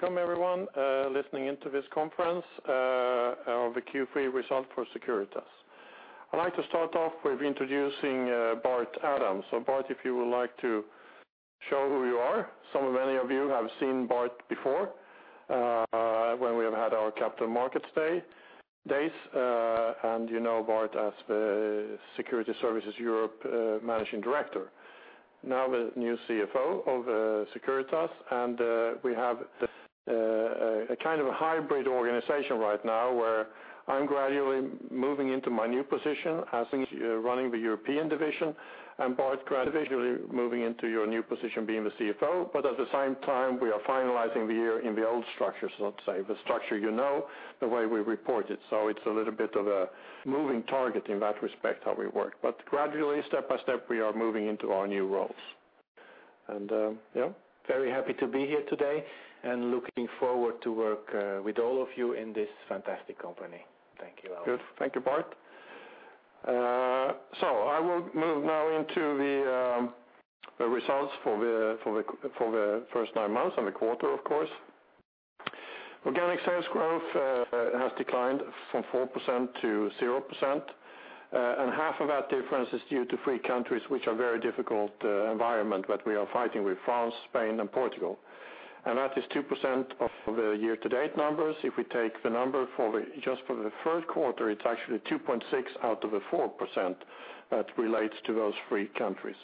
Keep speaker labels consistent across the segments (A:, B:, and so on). A: Very welcome, everyone listening into this conference of the Q3 result for Securitas. I'd like to start off with introducing Bart Adam. So Bart, if you would like to show who you are. Some of many of you have seen Bart before, when we have had our Capital Markets Day days, and you know Bart as the Security Services Europe Managing Director. Now the new CFO of Securitas, and we have a kind of a hybrid organization right now where I'm gradually moving into my new position as running the European division, and Bart gradually moving into your new position being the CFO, but at the same time we are finalizing the year in the old structure, so to say, the structure you know, the way we report it. So it's a little bit of a moving target in that respect how we work. Gradually, step by step, we are moving into our new roles.
B: Yeah, very happy to be here today and looking forward to work with all of you in this fantastic company. Thank you, Alf.
A: Good. Thank you, Bart. So I will move now into the results for the first nine months and the quarter, of course. Organic sales growth has declined from 4% to 0%, and half of that difference is due to three countries, which are very difficult environment that we are fighting with France, Spain, and Portugal. And that is 2% of the year-to-date numbers. If we take the number for just the third quarter, it's actually 2.6 out of the 4% that relates to those three countries.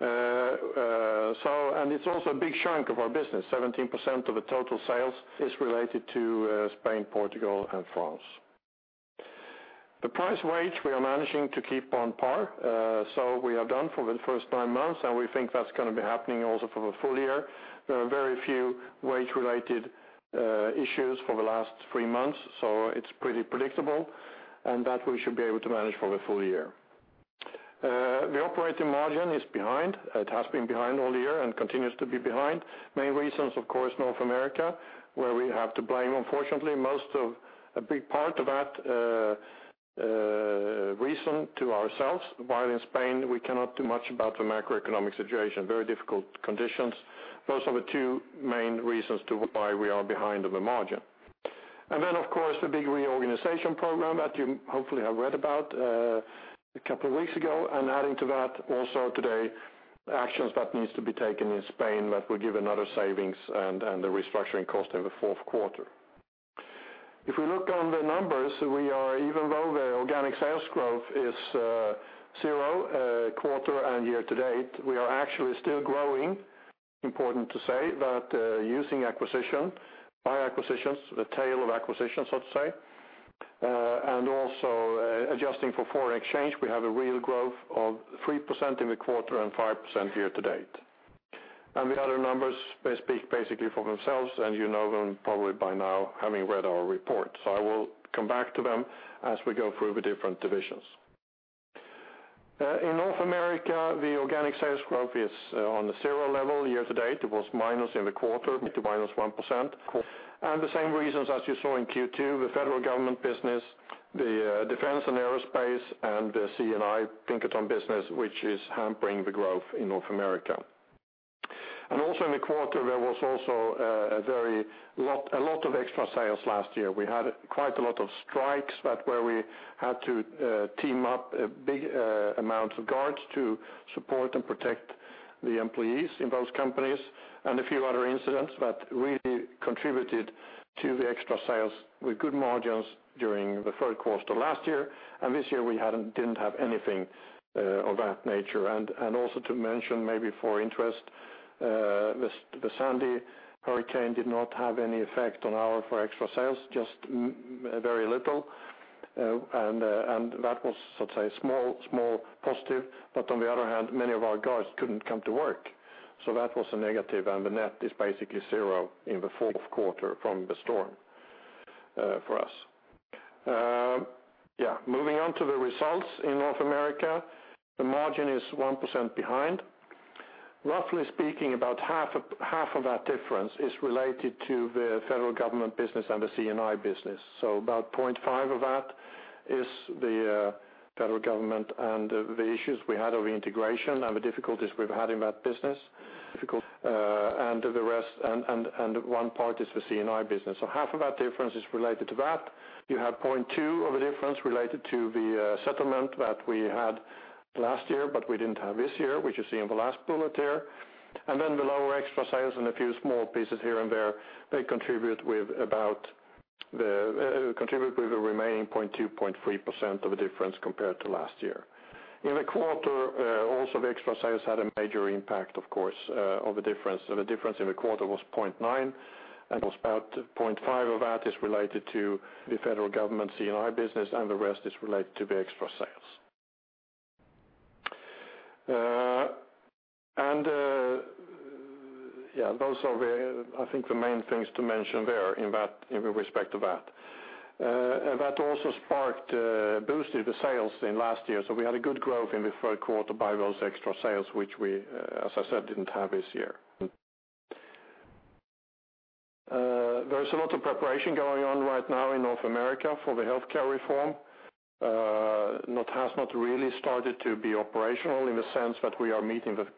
A: So and it's also a big chunk of our business, 17% of the total sales is related to Spain, Portugal, and France. The price/wage we are managing to keep on par, so we have done for the first nine months, and we think that's gonna be happening also for the full year. There are very few wage-related issues for the last three months, so it's pretty predictable, and that we should be able to manage for the full year. The operating margin is behind. It has been behind all year and continues to be behind. Main reasons, of course, North America, where we have to blame, unfortunately, most of a big part of that reason to ourselves, while in Spain we cannot do much about the macroeconomic situation. Very difficult conditions. Those are the two main reasons to why we are behind on the margin. And then, of course, the big reorganization program that you hopefully have read about a couple of weeks ago, and adding to that also today actions that need to be taken in Spain that will give another savings and the restructuring cost in the fourth quarter. If we look on the numbers, we are even though the organic sales growth is 0% quarter and year-to-date, we are actually still growing. Important to say that, using acquisitions, by acquisitions, the tail of acquisitions, so to say, and also, adjusting for foreign exchange, we have a real growth of 3% in the quarter and 5% year-to-date. And the other numbers, they speak basically for themselves, and you know them probably by now having read our report. So I will come back to them as we go through the different divisions. In North America, the organic sales growth is on a 0 level year-to-date. It was minus in the quarter to -1%. And the same reasons as you saw in Q2, the federal government business, the defense and aerospace, and the CNI Pinkerton business, which is hampering the growth in North America. Also in the quarter, there was a lot of extra sales last year. We had quite a lot of strikes that were we had to team up a big amount of guards to support and protect the employees in those companies, and a few other incidents that really contributed to the extra sales with good margins during the third quarter last year. This year we didn't have anything of that nature. Also, to mention maybe for interest, the Sandy hurricane did not have any effect on our extra sales, just very little. And that was, so to say, small positive, but on the other hand, many of our guards couldn't come to work. So that was a negative, and the net is basically zero in the fourth quarter from the storm, for us. Yeah, moving on to the results in North America, the margin is 1% behind. Roughly speaking, about half of half of that difference is related to the federal government business and the CNI business. So about 0.5 of that is the federal government and the issues we had of integration and the difficulties we've had in that business. And the rest, one part is the CNI business. So half of that difference is related to that. You have 0.2 of a difference related to the settlement that we had last year, but we didn't have this year, which you see in the last bullet here. And then the lower extra sales and a few small pieces here and there, they contribute with the remaining 0.2, 0.3% of a difference compared to last year. In the quarter, also the extra sales had a major impact, of course, of a difference. The difference in the quarter was 0.9, and it was about 0.5 of that is related to the federal government CNI business, and the rest is related to the extra sales. Yeah, those are the, I think, the main things to mention there in that in respect to that. That also sparked, boosted the sales in last year, so we had a good growth in the third quarter by those extra sales, which we, as I said, didn't have this year. There's a lot of preparation going on right now in North America for the healthcare reform. It has not really started to be operational in the sense that we are meeting with,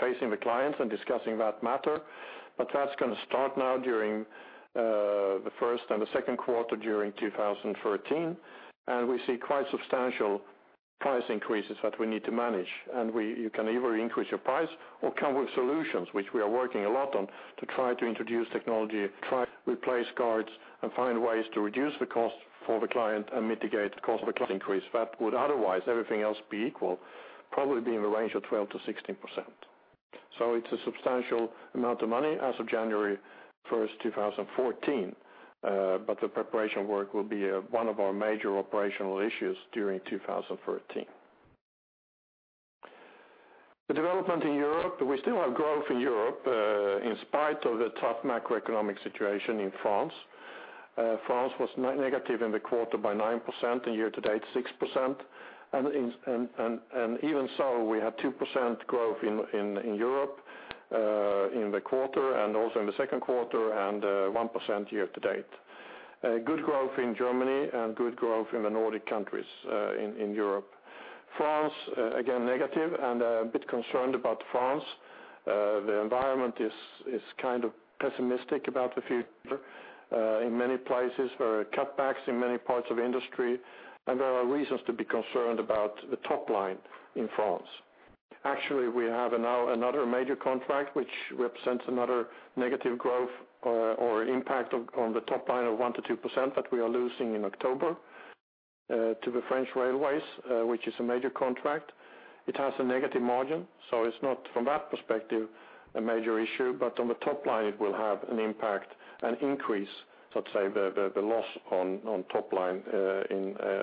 A: facing the clients and discussing that matter, but that's gonna start now during the first and the second quarter during 2013, and we see quite substantial price increases that we need to manage. And you can either increase your price or come with solutions, which we are working a lot on, to try to introduce technology, try to replace guards, and find ways to reduce the cost for the client and mitigate the cost of the increase that would otherwise everything else be equal, probably be in the range of 12%-16%. So it's a substantial amount of money as of January 1st, 2014, but the preparation work will be one of our major operational issues during 2013. The development in Europe, we still have growth in Europe, in spite of the tough macroeconomic situation in France. France was negative in the quarter by 9%, and year-to-date 6%. Even so, we had 2% growth in Europe, in the quarter and also in the second quarter, and 1% year-to-date. Good growth in Germany and good growth in the Nordic countries in Europe. France, again, negative, and a bit concerned about France. The environment is kind of pessimistic about the future, in many places. There are cutbacks in many parts of industry, and there are reasons to be concerned about the top line in France. Actually, we have now another major contract, which represents another negative growth, or impact on the top line of 1%-2% that we are losing in October to the French Railways, which is a major contract. It has a negative margin, so it's not, from that perspective, a major issue, but on the top line, it will have an impact, an increase, so to say, the loss on top line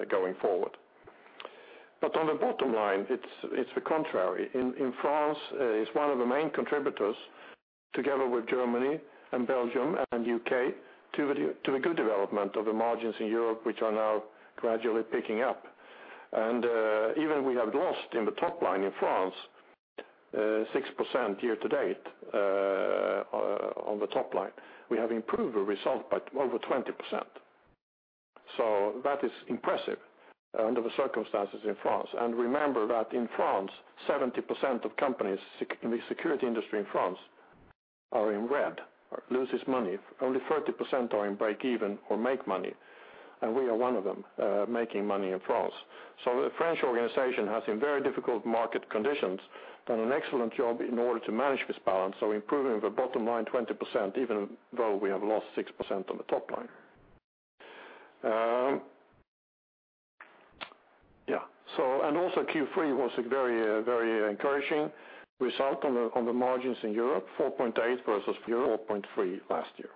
A: going forward. But on the bottom line, it's the contrary. In France, it's one of the main contributors, together with Germany and Belgium and the UK, to the good development of the margins in Europe, which are now gradually picking up. Even we have lost in the top line in France 6% year-to-date on the top line. We have improved the result by over 20%. So that is impressive, under the circumstances in France. And remember that in France, 70% of companies in the security industry in France are in red, lose its money. Only 30% are in break-even or make money, and we are one of them, making money in France. So the French organization has in very difficult market conditions done an excellent job in order to manage this balance, so improving the bottom line 20% even though we have lost 6% on the top line. Yeah, so and also Q3 was a very, very encouraging result on the margins in Europe, 4.8 versus 4.3 last year.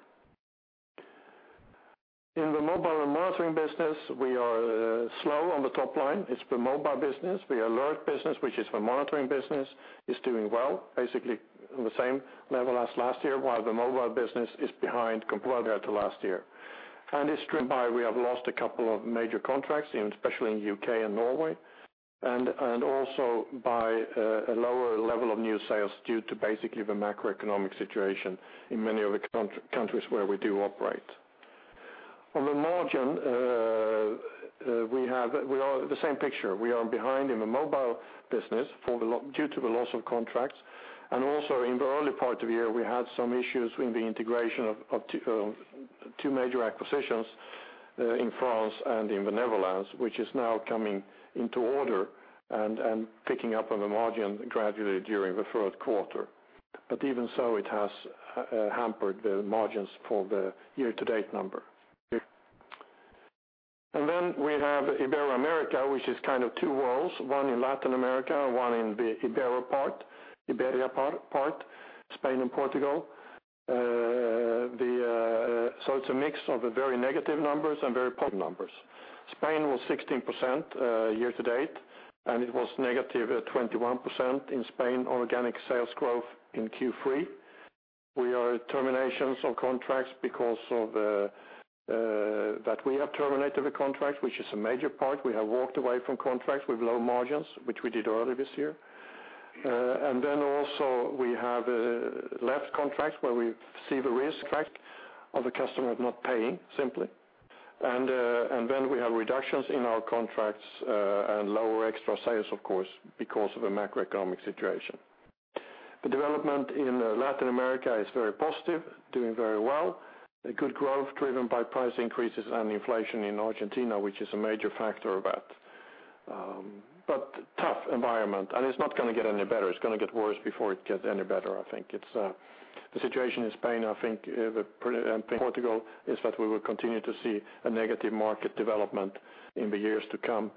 A: In the mobile and monitoring business, we are slow on the top line. It's the mobile business. The alert business, which is the monitoring business, is doing well, basically on the same level as last year, while the mobile business is behind compared to last year. It's driven by we have lost a couple of major contracts, especially in the UK and Norway, and also by a lower level of new sales due to basically the macroeconomic situation in many of the countries where we do operate. On the margin, we are the same picture. We are behind in the mobile business low due to the loss of contracts. Also in the early part of year, we had some issues in the integration of two major acquisitions, in France and in the Netherlands, which is now coming into order and picking up on the margin gradually during the third quarter. But even so, it has hampered the margins for the year-to-date number. And then we have Ibero-America, which is kind of two worlds, one in Latin America and one in the Ibero part, Iberia part, Spain and Portugal. So it's a mix of very negative numbers and very positive numbers. Spain was -16% year-to-date, and it was -21% in Spain organic sales growth in Q3. We have terminations of contracts because of that we have terminated the contracts, which is a major part. We have walked away from contracts with low margins, which we did early this year. And then also we have left contracts where we see the risk of a customer not paying, simply. And then we have reductions in our contracts, and lower extra sales, of course, because of the macroeconomic situation. The development in Latin America is very positive, doing very well, good growth driven by price increases and inflation in Argentina, which is a major factor of that. But tough environment, and it's not gonna get any better. It's gonna get worse before it gets any better, I think. It's the situation in Spain, I think, and Portugal is that we will continue to see a negative market development in the years to come,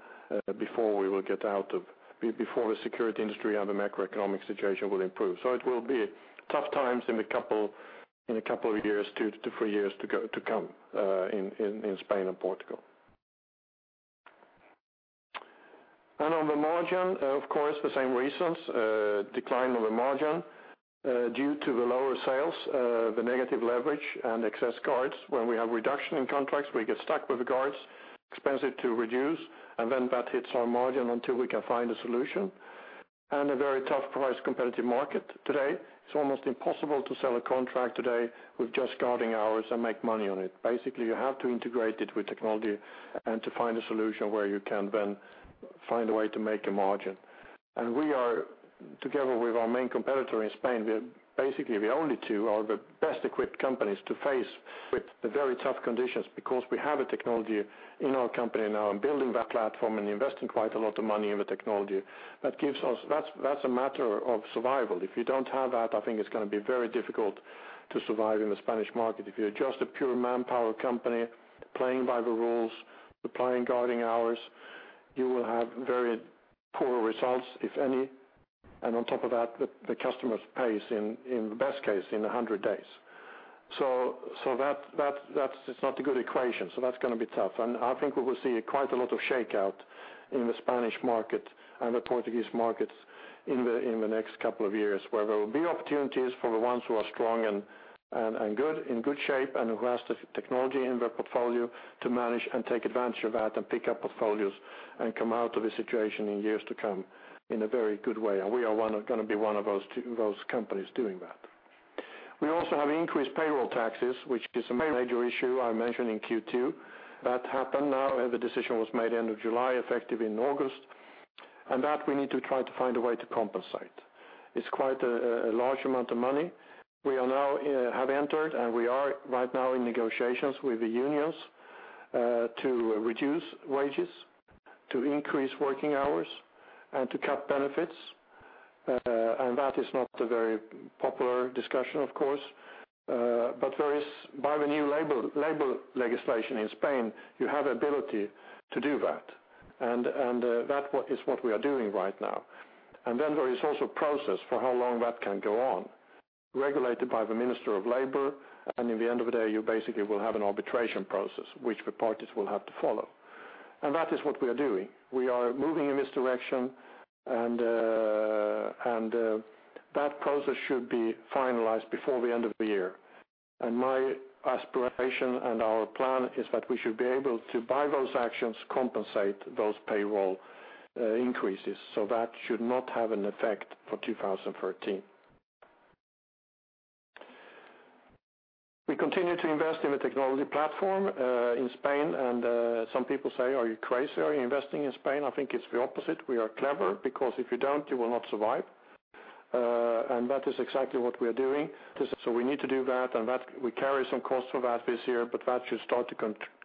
A: before we will get out of it before the security industry and the macroeconomic situation will improve. So it will be tough times in a couple of years, two to three years to come, in Spain and Portugal. And on the margin, of course, the same reasons, decline on the margin, due to the lower sales, the negative leverage, and excess guards. When we have reduction in contracts, we get stuck with the guards, expensive to reduce, and then that hits our margin until we can find a solution. A very tough price competitive market today. It's almost impossible to sell a contract today with just guarding hours and make money on it. Basically, you have to integrate it with technology and to find a solution where you can then find a way to make a margin. And we are, together with our main competitor in Spain, we are basically the only two of the best equipped companies to face with the very tough conditions because we have a technology in our company now and building that platform and investing quite a lot of money in the technology that gives us that's a matter of survival. If you don't have that, I think it's gonna be very difficult to survive in the Spanish market. If you're just a pure manpower company playing by the rules, supplying guarding hours, you will have very poor results, if any. On top of that, the customers pay in the best case in 100 days. So, that's it. It's not a good equation, so that's gonna be tough. And I think we will see quite a lot of shakeout in the Spanish market and the Portuguese markets in the next couple of years, where there will be opportunities for the ones who are strong and good in good shape and who has the technology in their portfolio to manage and take advantage of that and pick up portfolios and come out of the situation in years to come in a very good way. And we are gonna be one of those companies doing that. We also have increased payroll taxes, which is a major issue I mentioned in Q2. That happened now. The decision was made end of July, effective in August, and that we need to try to find a way to compensate. It's quite a large amount of money. We have now entered, and we are right now in negotiations with the unions to reduce wages, to increase working hours, and to cut benefits. That is not a very popular discussion, of course, but there is, by the new labor legislation in Spain, you have ability to do that. And that is what we are doing right now. And then there is also process for how long that can go on, regulated by the Minister of Labor, and in the end of the day, you basically will have an arbitration process, which the parties will have to follow. And that is what we are doing. We are moving in this direction, and that process should be finalized before the end of the year. And my aspiration and our plan is that we should be able to, by those actions, compensate those payroll increases, so that should not have an effect for 2013. We continue to invest in the technology platform, in Spain, and some people say, "Are you crazy? Are you investing in Spain?" I think it's the opposite. We are clever because if you don't, you will not survive, and that is exactly what we are doing. So we need to do that, and that we carry some costs for that this year, but that should start to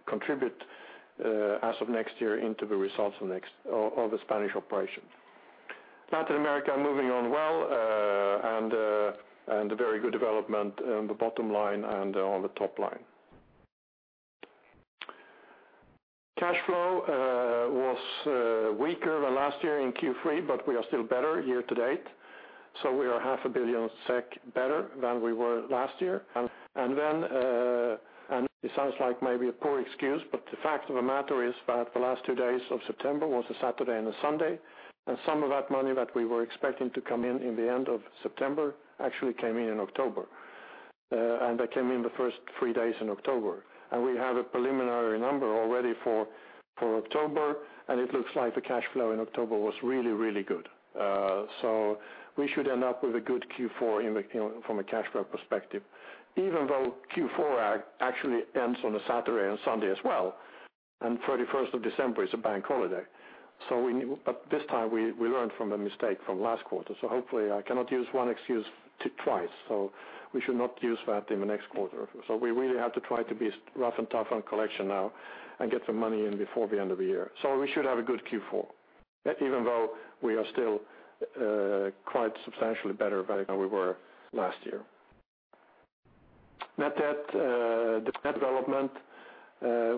A: contribute, as of next year into the results of next of the Spanish operation. Latin America moving on well, and very good development on the bottom line and on the top line. Cash flow was weaker than last year in Q3, but we are still better year-to-date. So we are 500 million SEK better than we were last year. And then, and it sounds like maybe a poor excuse, but the fact of the matter is that the last two days of September was a Saturday and a Sunday, and some of that money that we were expecting to come in in the end of September actually came in in October. And that came in the first three days in October. And we have a preliminary number already for, for October, and it looks like the cash flow in October was really, really good. So we should end up with a good Q4 in the in from a cash flow perspective, even though Q4 actually ends on a Saturday and Sunday as well, and 31st of December is a bank holiday. So we but this time, we learned from a mistake from last quarter, so hopefully, I cannot use one excuse twice, so we should not use that in the next quarter. So we really have to try to be rough and tough on collection now and get the money in before the end of the year. So we should have a good Q4, even though we are still quite substantially better than we were last year. Net debt development,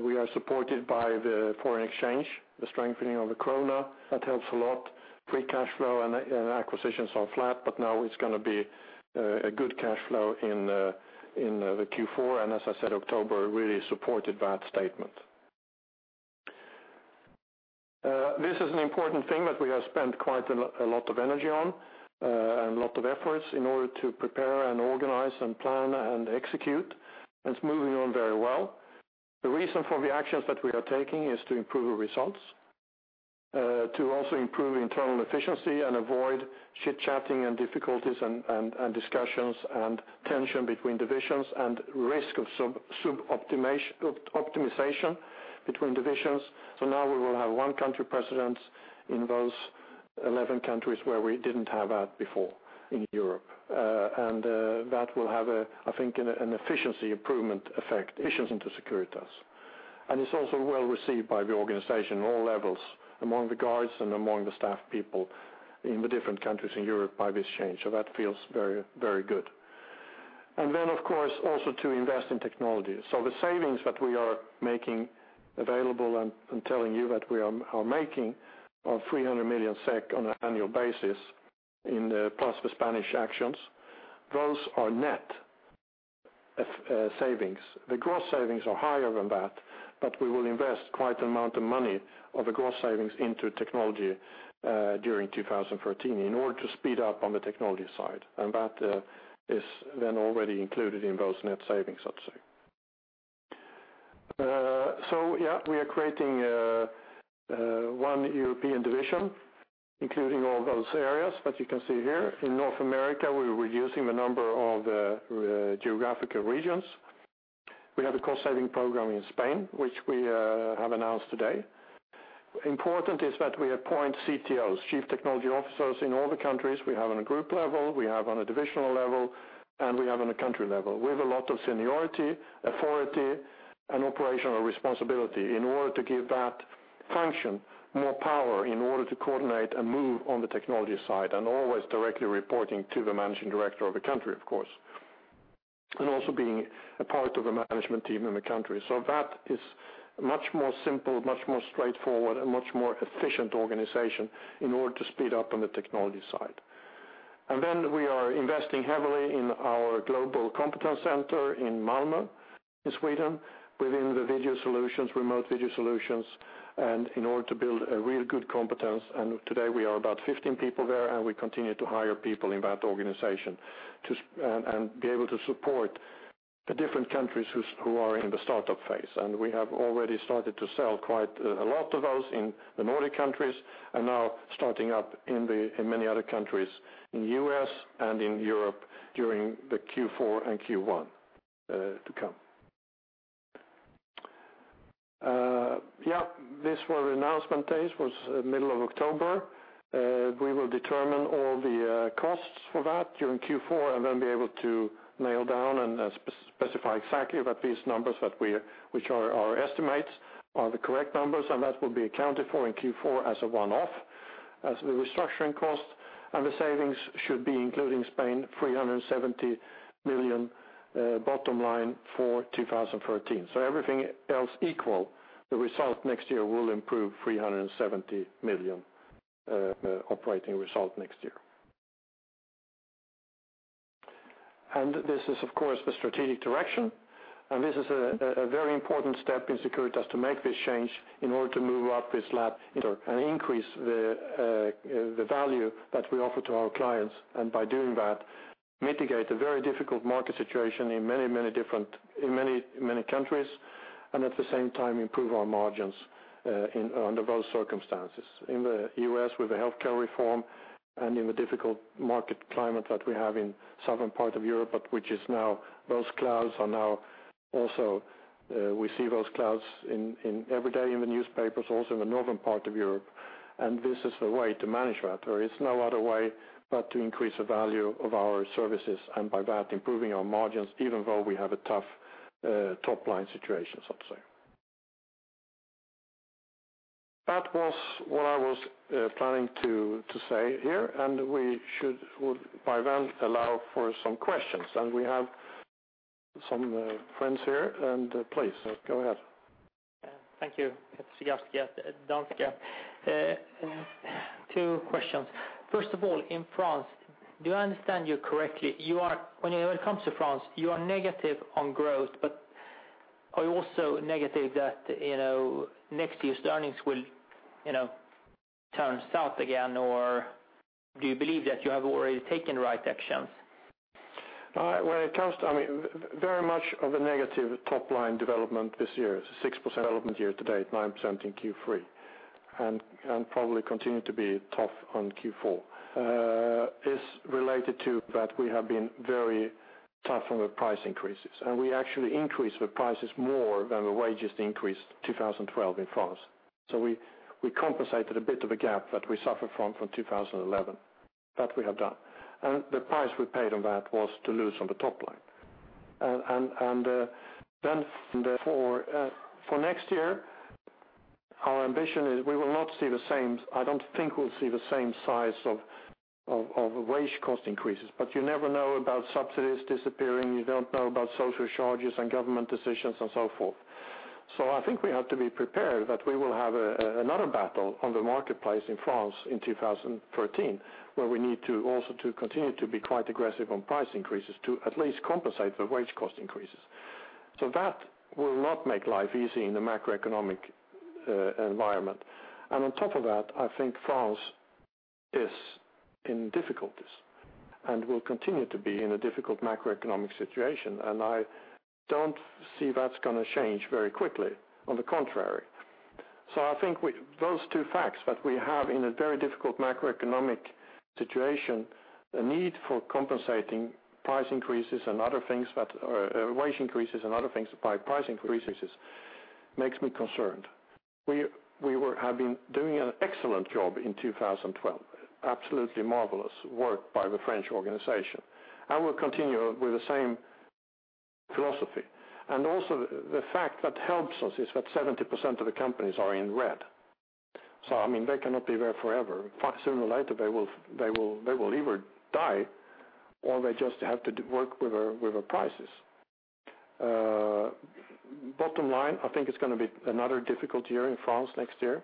A: we are supported by the foreign exchange, the strengthening of the krona. That helps a lot. Free Cash Flow and acquisitions are flat, but now it's gonna be a good cash flow in the Q4, and as I said, October really supported that statement. This is an important thing that we have spent quite a lot of energy on, and a lot of efforts in order to prepare and organize and plan and execute, and it's moving on very well. The reason for the actions that we are taking is to improve the results, to also improve internal efficiency and avoid chit-chatting and difficulties and discussions and tension between divisions and risk of sub-optimization between divisions. So now we will have one country president in those 11 countries where we didn't have that before in Europe. That will have a, I think, an efficiency improvement effect, efficiency in Securitas. And it's also well received by the organization on all levels, among the guards and among the staff people in the different countries in Europe by this change, so that feels very, very good. Then, of course, also to invest in technology. So the savings that we are making available and telling you that we are making of 300 million SEK on an annual basis, plus the Spanish actions, those are net savings. The gross savings are higher than that, but we will invest quite an amount of money of the gross savings into technology, during 2013 in order to speed up on the technology side, and that is then already included in those net savings, so to say. Yeah, we are creating one European division, including all those areas that you can see here. In North America, we're reducing the number of geographical regions. We have a cost-saving program in Spain, which we have announced today. Important is that appoint CTOs, chief technology officers, in all the countries. We have on a group level, we have on a divisional level, and we have on a country level with a lot of seniority, authority, and operational responsibility in order to give that function more power in order to coordinate and move on the technology side and always directly reporting to the managing director of the country, of course, and also being a part of the management team in the country. So that is much more simple, much more straightforward, and much more efficient organization in order to speed up on the technology side. And then we are investing heavily in our global competence center in Malmö in Sweden within the video solutions, remote video solutions, and in order to build a real good competence. Today, we are about 15 people there, and we continue to hire people in that organization to be able to support the different countries who are in the startup phase. We have already started to sell quite a lot of those in the Nordic countries and now starting up in many other countries in the US and in Europe during the Q4 and Q1 to come. Yeah, this was announcement days. It was the middle of October. We will determine all the costs for that during Q4 and then be able to nail down and specify exactly that these numbers which are our estimates are the correct numbers, and that will be accounted for in Q4 as a one-off as the restructuring cost. The savings should be, including Spain, 370 million bottom line for 2013. So everything else equal, the result next year will improve 370 million, operating result next year. And this is, of course, the strategic direction. And this is a, a very important step in Securitas to make this change in order to move up this lab and increase the, the value that we offer to our clients. And by doing that, mitigate a very difficult market situation in many, many different in many, many countries and at the same time improve our margins, in under those circumstances. In the U.S., with the healthcare reform and in the difficult market climate that we have in southern part of Europe, but which is now those clouds are now also, we see those clouds in, in every day in the newspapers, also in the northern part of Europe. This is the way to manage that, where it's no other way but to increase the value of our services and by that, improving our margins even though we have a tough, top-line situation, so to say. That was what I was planning to say here, and we should by then allow for some questions. And we have some friends here, and please, go ahead.
C: Thank you, Peter Trigarszky. Danske. 2 questions. First of all, in France, do I understand you correctly? You are when it comes to France, you are negative on growth, but are you also negative that, you know, next year's earnings will, you know, turn south again, or do you believe that you have already taken the right actions?
A: When it comes to I mean, very much of a negative top-line development this year, 6%. Development year-to-date, 9% in Q3, and probably continue to be tough in Q4. This is related to that we have been very tough on the price increases, and we actually increased the prices more than the wages increased in 2012 in France. So we compensated a bit of a gap that we suffered from in 2011 that we have done. Then, for next year, our ambition is we will not see the same. I don't think we'll see the same size of wage cost increases, but you never know about subsidies disappearing. You don't know about social charges and government decisions and so forth. So I think we have to be prepared that we will have another battle on the marketplace in France in 2013 where we need to also continue to be quite aggressive on price increases to at least compensate the wage cost increases. So that will not make life easy in the macroeconomic environment. And on top of that, I think France is in difficulties and will continue to be in a difficult macroeconomic situation, and I don't see that's gonna change very quickly. On the contrary. So I think those two facts that we have in a very difficult macroeconomic situation, the need for compensating price increases and other things that are wage increases and other things by price increases makes me concerned. We have been doing an excellent job in 2012, absolutely marvelous work by the French organization, and we'll continue with the same philosophy. And also, the fact that helps us is that 70% of the companies are in red. So I mean, they cannot be there forever. Sooner or later, they will either die or they just have to work with the prices. Bottom line, I think it's gonna be another difficult year in France next year.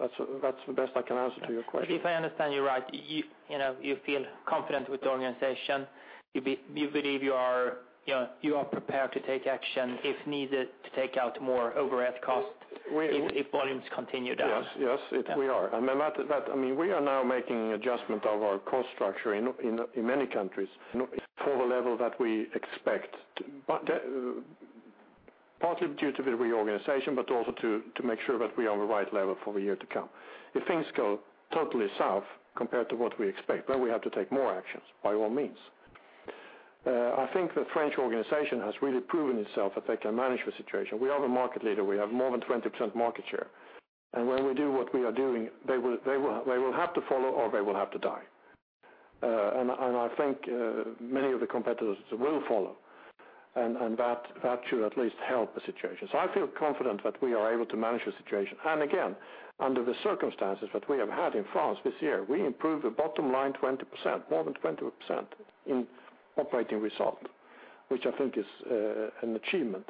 A: That's the best I can answer to your question. If I understand you right, you know, you feel confident with the organization. You believe you are, you know, prepared to take action if needed to take out more overhead costs if volumes continue down. Yes, we are. And I meant that. I mean, we are now making an adjustment of our cost structure in many countries. For the level that we expect, partly due to the reorganization but also to make sure that we are on the right level for the year to come. If things go totally south compared to what we expect, then we have to take more actions by all means. I think the French organization has really proven itself that they can manage the situation. We are the market leader. We have more than 20% market share. And when we do what we are doing, they will have to follow or they will have to die. And I think many of the competitors will follow, and that should at least help the situation. So I feel confident that we are able to manage the situation. And again, under the circumstances that we have had in France this year, we improved the bottom line 20%, more than 20% in operating result, which I think is an achievement.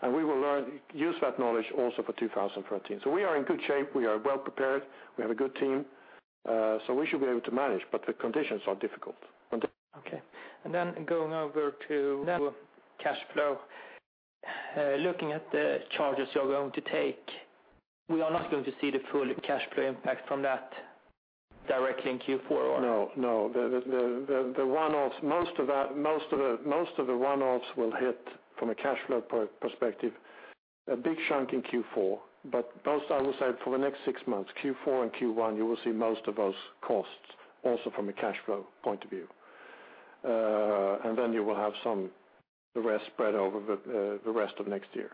A: And we will leverage that knowledge also for 2013. So we are in good shape. We are well prepared. We have a good team, so we should be able to manage, but the conditions are difficult.
C: Okay. And then going over to cash flow, looking at the charges you're going to take, we are not going to see the full cash flow impact from that directly in Q4, or?
A: No, no. The one-offs, most of that, most of the one-offs will hit from a cash flow perspective, a big chunk in Q4, but most I would say for the next six months, Q4 and Q1, you will see most of those costs also from a cash flow point of view. And then you will have some, the rest spread over the rest of next year.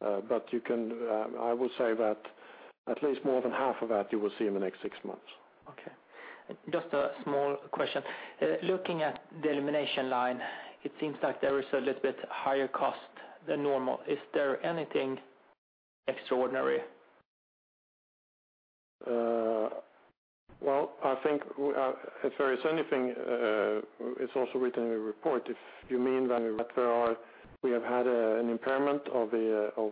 A: But you can, I would say that at least more than half of that you will see in the next six months.
C: Okay. Just a small question. Looking at the elimination line, it seems like there is a little bit higher cost than normal. Is there anything extraordinary?
A: Well, I think we are if there is anything, it's also written in the report. If you mean that we have had an impairment of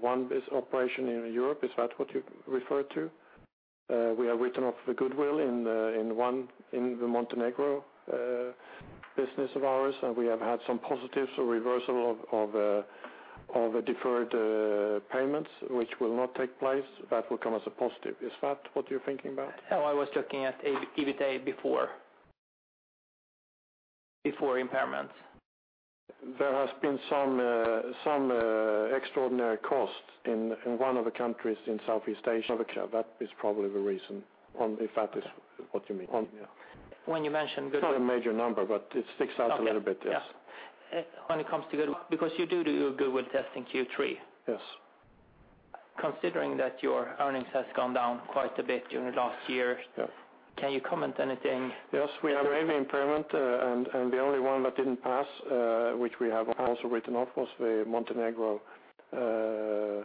A: one business operation in Europe. Is that what you refer to? We have written off the goodwill in one in the Montenegro business of ours, and we have had some positives, a reversal of the deferred payments, which will not take place. That will come as a positive. Is that what you're thinking about?
C: No, I was looking at EBITDA before impairments.
A: There has been some extraordinary cost in one of the countries in Southeast Asia. That is probably the reason on if that is what you mean.
C: When you mentioned goodwill.
A: It's not a major number, but it sticks out a little bit, yes. Yeah.
C: When it comes to goodwill because you do goodwill test in Q3.
A: Yes.
C: Considering that your earnings have gone down quite a bit during the last year, can you comment anything?
A: Yes, we have a goodwill impairment, and the only one that didn't pass, which we have also written off was the Montenegro, the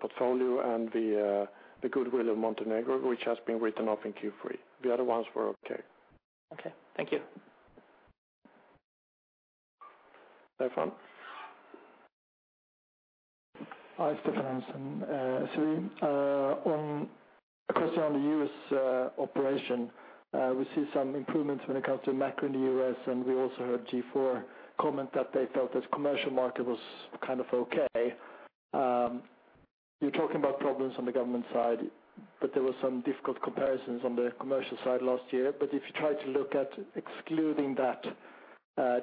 A: portfolio and the goodwill of Montenegro, which has been written off in Q3. The other ones were okay.
C: Okay. Thank you.
A: Stefan?
D: Hi, Stefan Andersson. Sorry. On a question on the U.S. operation, we see some improvements when it comes to macro in the U.S., and we also heard G4S comment that they felt this commercial market was kind of okay. You're talking about problems on the government side, but there were some difficult comparisons on the commercial side last year. But if you try to look at excluding that,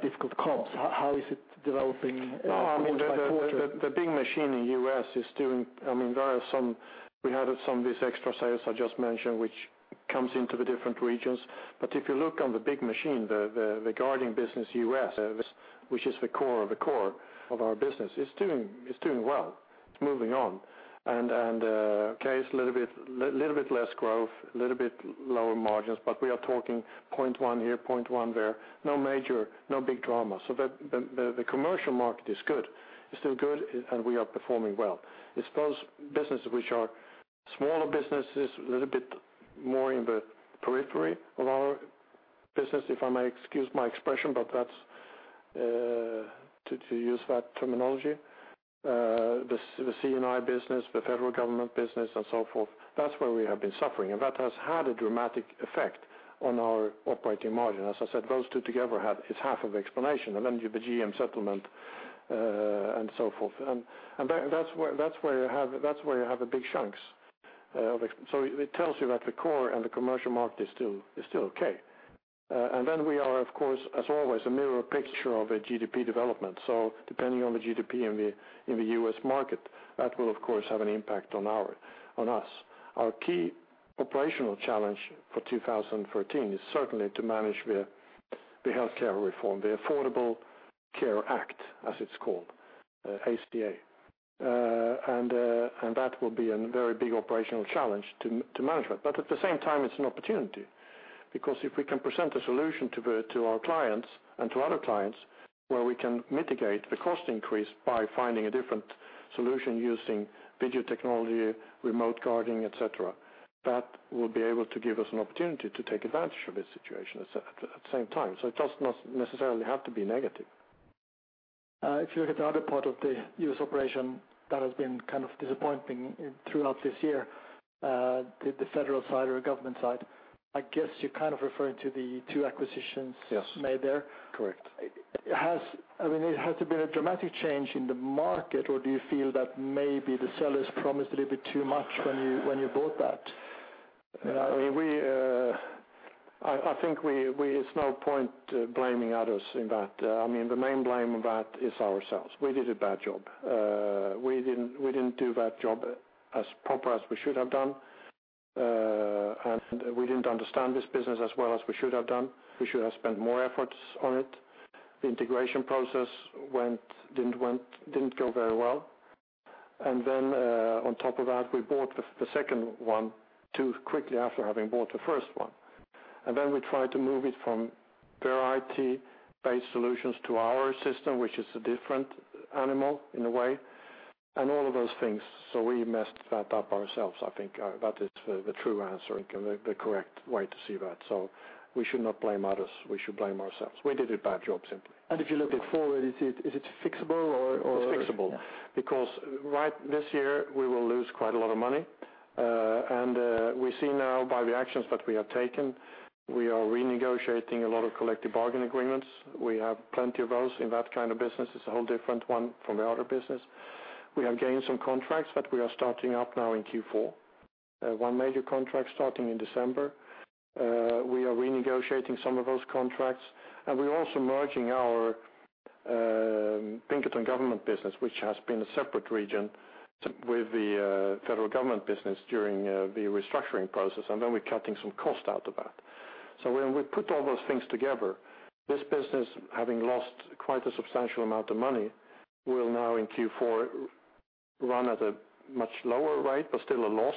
D: difficult comps, how is it developing quarter by quarter?
A: No, I mean, the big machine in the US is doing. I mean, there are some; we had some of these extra sales I just mentioned, which comes into the different regions. But if you look on the big machine, the guarding business, US. Which is the core of the core of our business. It's doing well. It's moving on. And okay, it's a little bit less growth, a little bit lower margins, but we are talking 0.1 here, 0.1 there. No major, no big drama. So the commercial market is good. It's still good, and we are performing well. It's those businesses which are smaller businesses, a little bit more in the periphery of our business, if I may excuse my expression, but that's to use that terminology. The CNI business, the federal government business, and so forth, that's where we have been suffering, and that has had a dramatic effect on our operating margin. As I said, those two together had is half of the explanation. Then you have the GM settlement, and so forth. And that's where you have the big chunks of so it tells you that the core and the commercial market is still okay. Then we are, of course, as always, a mirror picture of the GDP development. So depending on the GDP in the U.S. market, that will, of course, have an impact on us. Our key operational challenge for 2013 is certainly to manage the healthcare reform, the Affordable Care Act, as it's called, ACA. And that will be a very big operational challenge to manage that. But at the same time, it's an opportunity because if we can present a solution to our clients and to other clients where we can mitigate the cost increase by finding a different solution using video technology, remote guarding, etc., that will be able to give us an opportunity to take advantage of this situation at the same time. So it does not necessarily have to be negative.
D: If you look at the other part of the U.S. operation that has been kind of disappointing throughout this year, the federal side or government side, I guess you're kind of referring to the two acquisitions made there.
A: Yes, correct.
D: I mean, has there been a dramatic change in the market, or do you feel that maybe the sellers promised a little bit too much when you bought that?
A: You know, I mean, I think it's no point blaming others in that. I mean, the main blame in that is ourselves. We did a bad job. We didn't do that job as proper as we should have done. And we didn't understand this business as well as we should have done. We should have spent more efforts on it. The integration process didn't go very well. And then, on top of that, we bought the second one too quickly after having bought the first one. And then we tried to move it from variety-based solutions to our system, which is a different animal in a way, and all of those things. So we messed that up ourselves, I think. That is the true answer and the correct way to see that. So we should not blame others. We should blame ourselves. We did a bad job, simply.
D: And if you look at forward, is it fixable, or, or?
A: It's fixable because right this year, we will lose quite a lot of money. And we see now by the actions that we have taken, we are renegotiating a lot of collective bargaining agreements. We have plenty of those in that kind of business. It's a whole different one from the other business. We have gained some contracts that we are starting up now in Q4, one major contract starting in December. We are renegotiating some of those contracts, and we're also merging our Pinkerton government business, which has been a separate region, with the federal government business during the restructuring process, and then we're cutting some cost out of that. So when we put all those things together, this business, having lost quite a substantial amount of money, will now in Q4 run at a much lower rate but still a loss,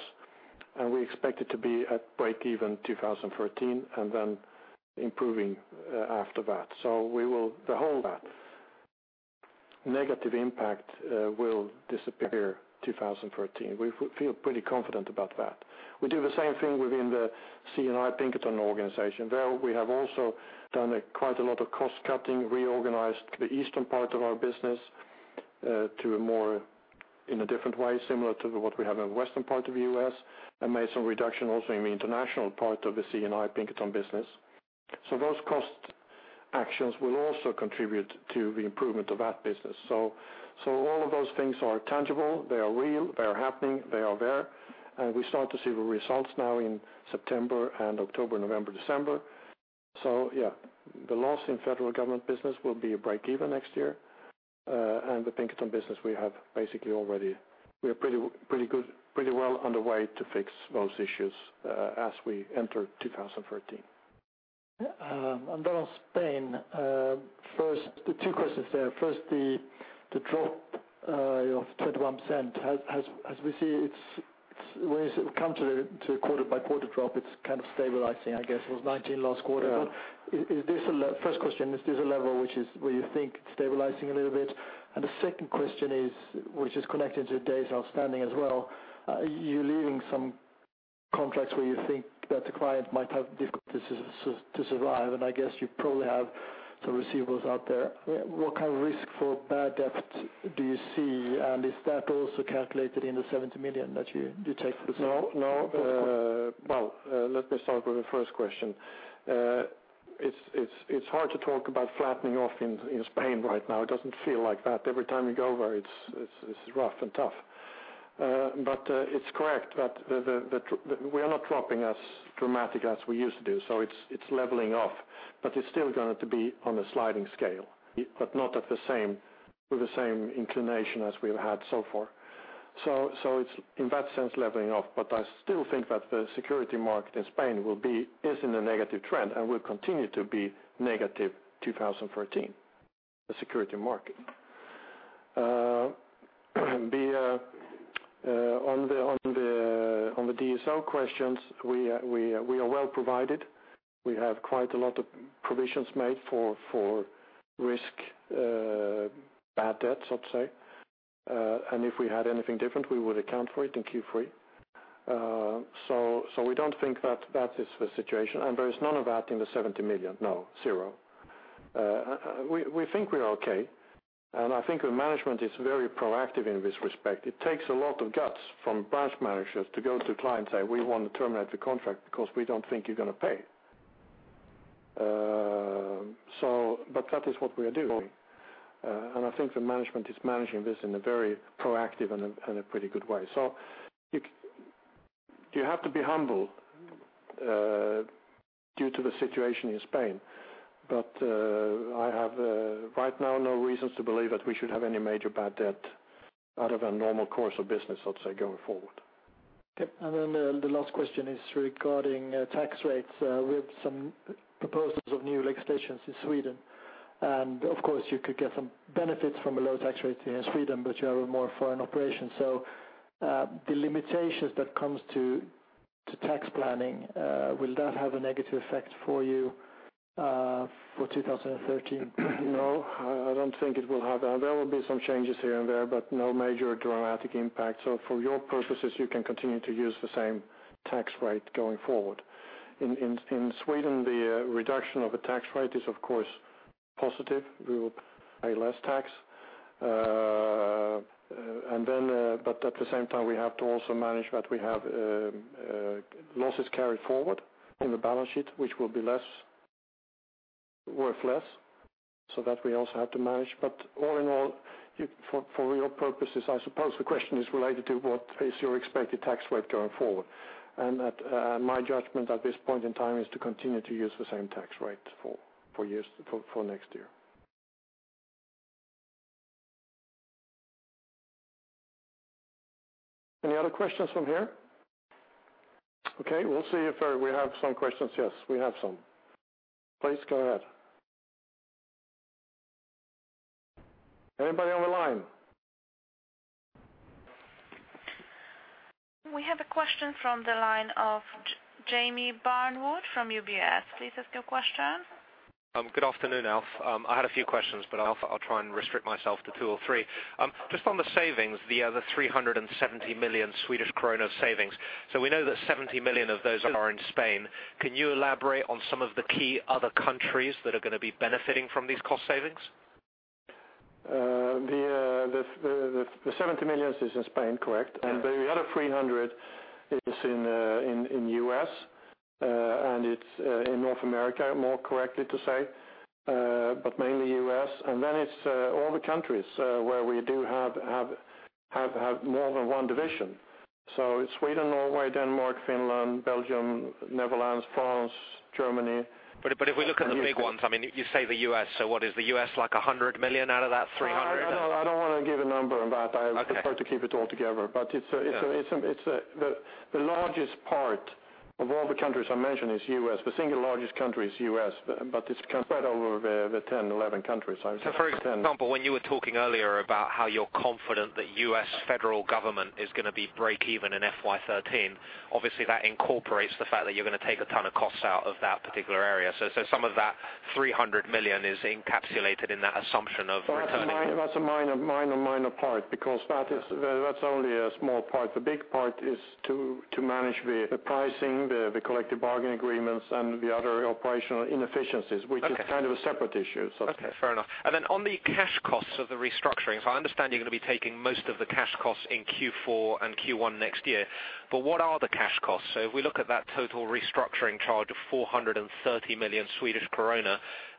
A: and we expect it to be at break even 2013 and then improving after that. So the whole negative impact will disappear 2013. We feel pretty confident about that. We do the same thing within the CNI Pinkerton organization. There, we have also done quite a lot of cost cutting, reorganized the eastern part of our business to a more in a different way, similar to what we have in the western part of the U.S., and made some reduction also in the international part of the CNI Pinkerton business. So those cost actions will also contribute to the improvement of that business. So, so all of those things are tangible. They are real. They are happening. They are there. And we start to see the results now in September and October, November, December. So yeah, the loss in federal government business will be a break even next year. And the Pinkerton business, we have basically already we are pretty, pretty good pretty well underway to fix those issues, as we enter 2013.
D: And then on Spain, first the two questions there. First, the, the drop, of 21%. As we see it's when you come to the quarter-by-quarter drop, it's kind of stabilizing, I guess. It was 19 last quarter. But is this a level—first question, is this a level where you think it's stabilizing a little bit? And the second question is, which is connected to days outstanding as well, you're leaving some contracts where you think that the client might have difficulties to survive, and I guess you probably have some receivables out there. What kind of risk for bad debt do you see, and is that also calculated in the 70 million that you take for the sale?
A: No. Well, let me start with the first question. It's hard to talk about flattening off in Spain right now. It doesn't feel like that. Every time you go there, it's rough and tough. But it's correct that we are not dropping as dramatic as we used to do. So it's leveling off, but it's still going to be on a sliding scale, but not at the same with the same inclination as we have had so far. So it's in that sense, leveling off, but I still think that the security market in Spain will be is in a negative trend and will continue to be negative 2013, the security market. On the DSO questions, we are well provided. We have quite a lot of provisions made for risk, bad debts, I'd say. And if we had anything different, we would account for it in Q3. So we don't think that that is the situation. There is none of that in the 70 million. No, zero. We, we think we are okay. And I think the management is very proactive in this respect. It takes a lot of guts from branch managers to go to clients and say, "We want to terminate the contract because we don't think you're going to pay." So but that is what we are doing. And I think the management is managing this in a very proactive and a and a pretty good way. So you you have to be humble, due to the situation in Spain. But I have, right now, no reasons to believe that we should have any major bad debt out of a normal course of business, I'd say, going forward.
D: Okay. And then the, the last question is regarding tax rates. We have some proposals of new legislation in Sweden. Of course, you could get some benefits from a low tax rate here in Sweden, but you have a more foreign operation. So, the limitations that come to tax planning, will that have a negative effect for you, for 2013?
A: No, I don't think it will have. There will be some changes here and there, but no major dramatic impact. So for your purposes, you can continue to use the same tax rate going forward. In Sweden, the reduction of the tax rate is, of course, positive. We will pay less tax. But at the same time, we have to also manage that we have losses carried forward in the balance sheet, which will be less worth, so that we also have to manage. But all in all, for your purposes, I suppose the question is related to what is your expected tax rate going forward. And at my judgment at this point in time is to continue to use the same tax rate for next year. Any other questions from here? Okay. We'll see if we have some questions. Yes, we have some. Please go ahead. Anybody on the line?
E: We have a question from the line of Jamie Brandwood from UBS. Please ask your question.
F: Good afternoon, Alf. I had a few questions, but Alf, I'll try and restrict myself to two or three. Just on the savings, the other 370 million Swedish krona savings. So we know that 70 million of those are in Spain. Can you elaborate on some of the key other countries that are going to be benefiting from these cost savings?
A: The 70 million is in Spain, correct. And the other 300 million is in the U.S., and it's in North America, more correctly to say, but mainly U.S. And then it's all the countries where we have more than one division. So Sweden, Norway, Denmark, Finland, Belgium, Netherlands, France, Germany. But if we look at the big ones, I mean, you say the U.S. So what is the U.S., like 100 million out of that 300 million? No, I don't want to give a number on that. I prefer to keep it all together. But it's the largest part of all the countries I mentioned is U.S. The single largest country is U.S., but it's spread over the 10, 11 countries.
F: So for example, when you were talking earlier about how you're confident that U.S. federal government is going to be break even in FY13, obviously, that incorporates the fact that you're going to take a ton of costs out of that particular area. So, so some of that $300 million is encapsulated in that assumption of returning.
A: That's a minor minor minor part because that is that's only a small part. The big part is to, to manage the, the pricing, the, the collective bargaining agreements, and the other operational inefficiencies, which is kind of a separate issue, so to speak.
F: Okay. Fair enough. And then on the cash costs of the restructuring, so I understand you're going to be taking most of the cash costs in Q4 and Q1 next year, but what are the cash costs? So if we look at that total restructuring charge of 430 million,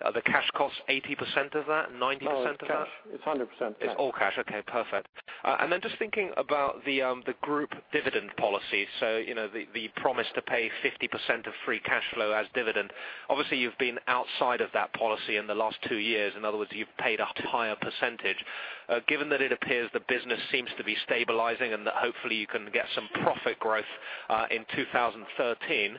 F: are the cash costs 80% of that, 90% of that? All cash. It's 100% cash. It's all cash. Okay. Perfect. And then just thinking about the group dividend policy, so, you know, the promise to pay 50% of free cash flow as dividend, obviously, you've been outside of that policy in the last two years. In other words, you've paid a higher percentage. Given that it appears the business seems to be stabilizing and that hopefully you can get some profit growth, in 2013,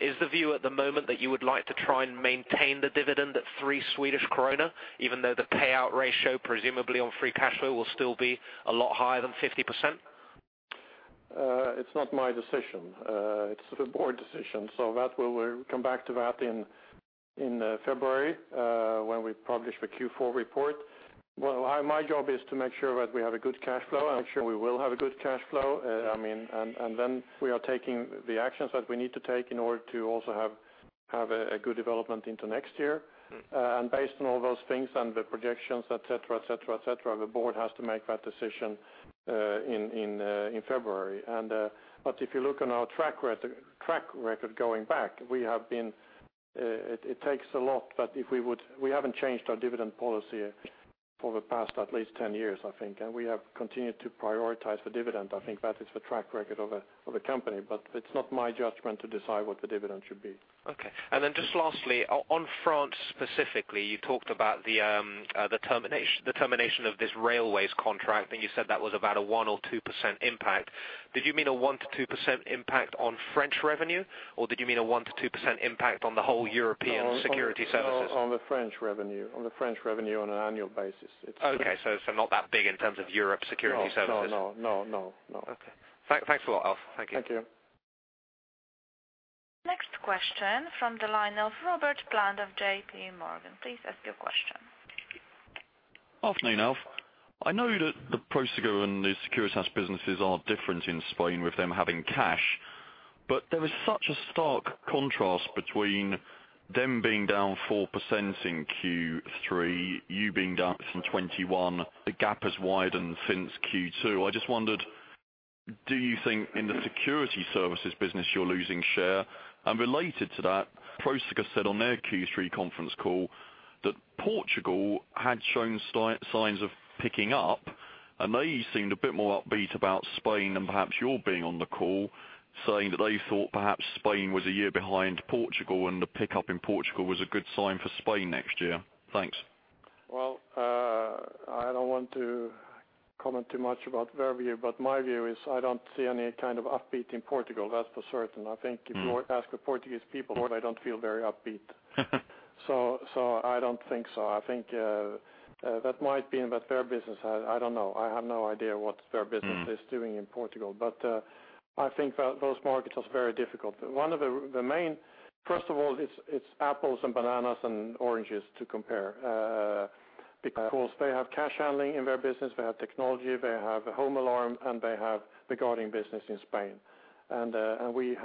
F: is the view at the moment that you would like to try and maintain the dividend at 3 Swedish kronor, even though the payout ratio, presumably on free cash flow, will still be a lot higher than 50%?
A: It's not my decision. It's the board decision. So we'll come back to that in February, when we publish the Q4 report. Well, my job is to make sure that we have a good cash flow and make sure we will have a good cash flow. I mean, and then we are taking the actions that we need to take in order to also have a good development into next year. And based on all those things and the projections, etc., etc., etc., the board has to make that decision in February. But if you look on our track record going back, it takes a lot, but we haven't changed our dividend policy for the past at least 10 years, I think, and we have continued to prioritize the dividend. I think that is the track record of a company, but it's not my judgment to decide what the dividend should be.
F: Okay. And then just lastly, on France specifically, you talked about the termination of this railways contract, and you said that was about a 1%-2% impact. Did you mean a 1%-2% impact on French revenue, or did you mean a 1%-2% impact on the whole European security services? On the French revenue.
A: On the French revenue on an annual basis. It's. Okay.
F: So not that big in terms of Europe security services?
A: No, no, no, no, no, no.
F: Okay. Thanks a lot, Alf. Thank you.
A: Thank you.
E: Next question from the line of Robert Plant of J.P. Morgan. Please ask your question.
G: Afternoon, Alf. I know that the Prosegur and the Securitas businesses are different in Spain with them having cash, but there is such a stark contrast between them being down 4% in Q3, you being down 21%, the gap has widened since Q2. I just wondered, do you think in the security services business you're losing share? And related to that, Prosegur said on their Q3 conference call that Portugal had shown signs of picking up, and they seemed a bit more upbeat about Spain and perhaps your being on the call saying that they thought perhaps Spain was a year behind Portugal and the pickup in Portugal was a good sign for Spain next year. Thanks.
A: Well, I don't want to comment too much about their view, but my view is I don't see any kind of upbeat in Portugal, that's for certain. I think if you ask the Portuguese people, they don't feel very upbeat. So, I don't think so. I think that might be in that their business had—I don't know. I have no idea what their business is doing in Portugal, but I think that those markets are very difficult. One of the main, first of all, it's apples and bananas and oranges to compare, because they have cash handling in their business, they have technology, they have a home alarm, and they have the guarding business in Spain. And we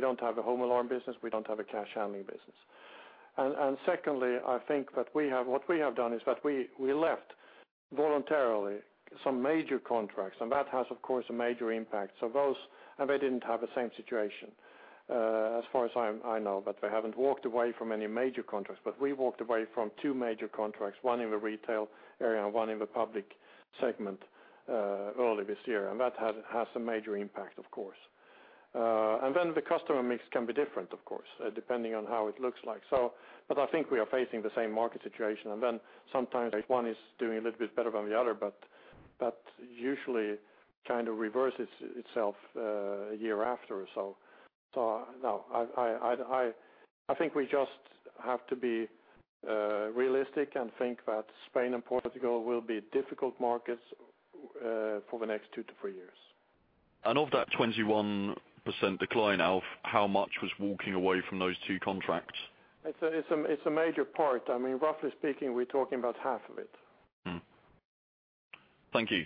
A: don't have a home alarm business. We don't have a cash handling business. And secondly, I think that what we have done is that we left voluntarily some major contracts, and that has, of course, a major impact. So those and they didn't have the same situation, as far as I know, but they haven't walked away from any major contracts. But we walked away from two major contracts, one in the retail area and one in the public segment, early this year, and that has a major impact, of course. Then the customer mix can be different, of course, depending on how it looks like. So but I think we are facing the same market situation, and then sometimes one is doing a little bit better than the other, but that usually kind of reverses itself, a year after or so. So no, I think we just have to be realistic and think that Spain and Portugal will be difficult markets for the next two to three years.
G: Of that 21% decline, Alf, how much was walking away from those two contracts?
A: It's a major part. I mean, roughly speaking, we're talking about half of it.
G: Thank you.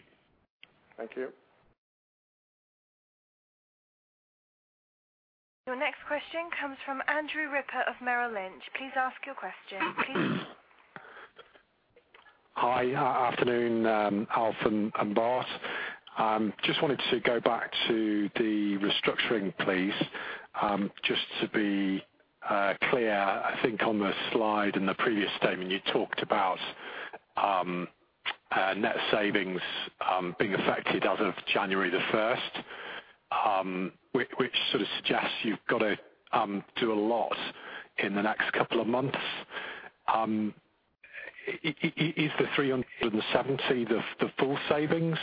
A: Thank you.
E: Your next question comes from Andrew Ripper of Merrill Lynch. Please ask your question.
H: Hi. Afternoon, Alf and Bart. Just wanted to go back to the restructuring, please. Just to be clear, I think on the slide and the previous statement, you talked about net savings being affected as of January the 1st, which sort of suggests you've got to do a lot in the next couple of months. Is the 300, 270 the full savings,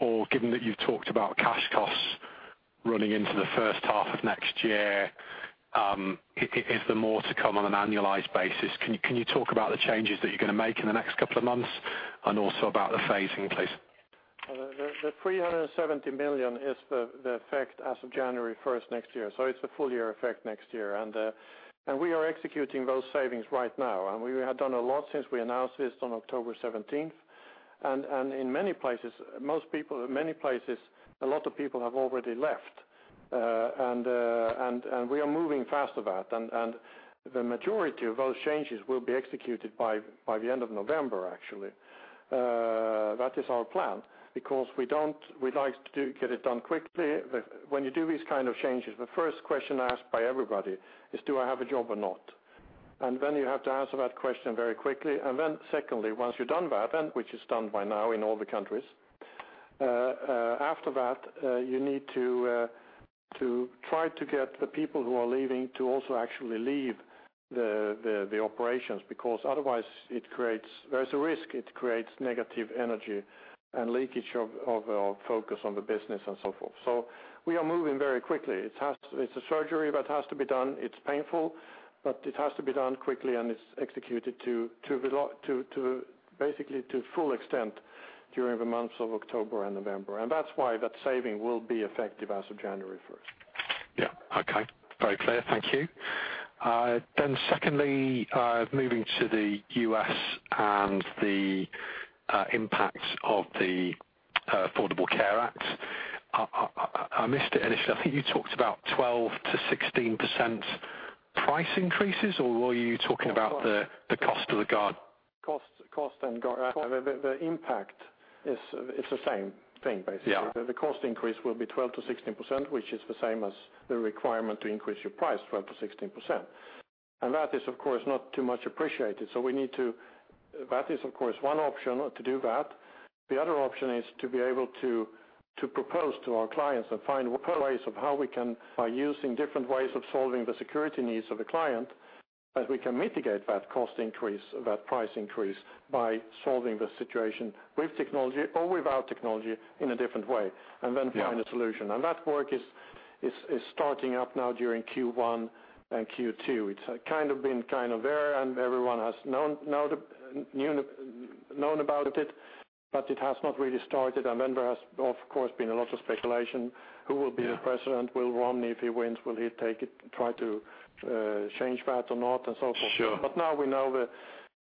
H: or given that you've talked about cash costs running into the first half of next year, is there more to come on an annualized basis? Can you talk about the changes that you're going to make in the next couple of months and also about the phasing, please?
A: The 370 million is the effect as of January 1st next year. So it's a full-year effect next year. And we are executing those savings right now. And we have done a lot since we announced this on October 17th. And in many places, a lot of people have already left. And we are moving faster than that. And the majority of those changes will be executed by the end of November, actually. That is our plan because we like to get it done quickly. When you do these kind of changes, the first question asked by everybody is, "Do I have a job or not?" And then you have to answer that question very quickly. And then secondly, once you've done that, which is done by now in all the countries, after that, you need to try to get the people who are leaving to also actually leave the operations because otherwise, it creates. There's a risk. It creates negative energy and leakage of focus on the business and so forth. So we are moving very quickly. It has to. It's a surgery, but it has to be done. It's painful, but it has to be done quickly, and it's executed to basically to full extent during the months of October and November. And that's why that saving will be effective as of January 1st.
H: Yeah. Okay. Very clear. Thank you. Then secondly, moving to the U.S. and the impacts of the Affordable Care Act. I missed it initially. I think you talked about 12%-16% price increases, or were you talking about the cost of the guard?
A: Cost of the guard? The cost and guard impact is it's the same thing, basically. The cost increase will be 12%-16%, which is the same as the requirement to increase your price, 12%-16%. And that is, of course, not too much appreciated, so we need to. That is, of course, one option to do that. The other option is to be able to propose to our clients and find ways of how we can by using different ways of solving the security needs of the client, that we can mitigate that cost increase, that price increase by solving the situation with technology or without technology in a different way and then find a solution. That work is starting up now during Q1 and Q2. It's kind of been kind of there, and everyone has known about it, but it has not really started. Then there has, of course, been a lot of speculation. Who will be the president? Will Romney, if he wins, will he take it try to, change that or not and so forth? But now we know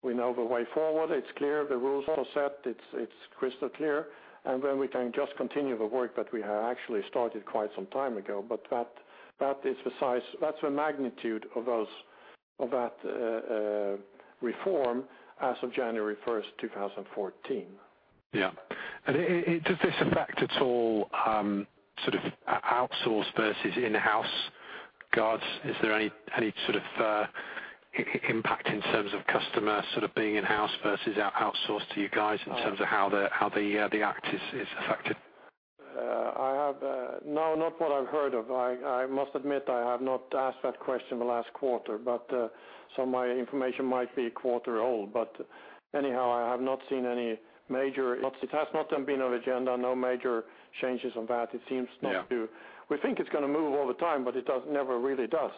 A: the way forward. It's clear. The rules are set. It's crystal clear. And then we can just continue the work that we have actually started quite some time ago. But that, that is the size, that's the magnitude of that reform as of January 1st, 2014.
H: Yeah. And does this affect at all sort of outsourced versus in-house guards? Is there any sort of impact in terms of customer sort of being in-house versus outsourced to you guys in terms of how the, the act is affected?
A: I have no, not what I've heard of. I must admit I have not asked that question the last quarter, but so my information might be a quarter old. But anyhow, I have not seen any major. It has not been on the agenda. No major changes on that. It seems not to. We think it's going to move over time, but it never really does.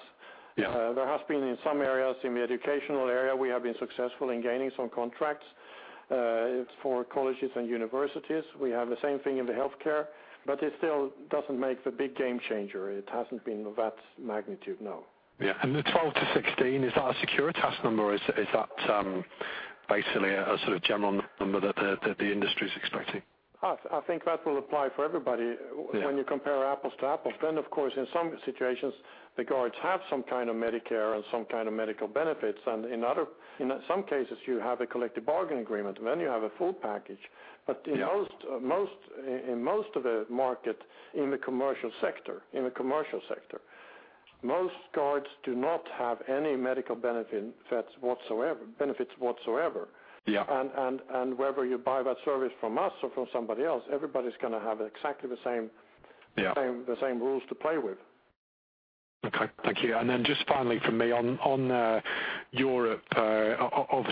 A: There has been in some areas in the educational area, we have been successful in gaining some contracts, for colleges and universities. We have the same thing in the healthcare, but it still doesn't make the big game changer. It hasn't been of that magnitude, no.
H: Yeah. The 12-16, is that a Securitas number? Is that, basically a sort of general number that the industry is expecting?
A: I think that will apply for everybody. When you compare apples to apples, then, of course, in some situations, the guards have some kind of Medicare and some kind of medical benefits. And in other cases, you have a collective bargaining agreement, and then you have a full package. But in most of the market in the commercial sector, most guards do not have any medical benefits whatsoever. And whether you buy that service from us or from somebody else, everybody's going to have exactly the same rules to play with.
H: Okay. Thank you. And then just finally from me, on Europe,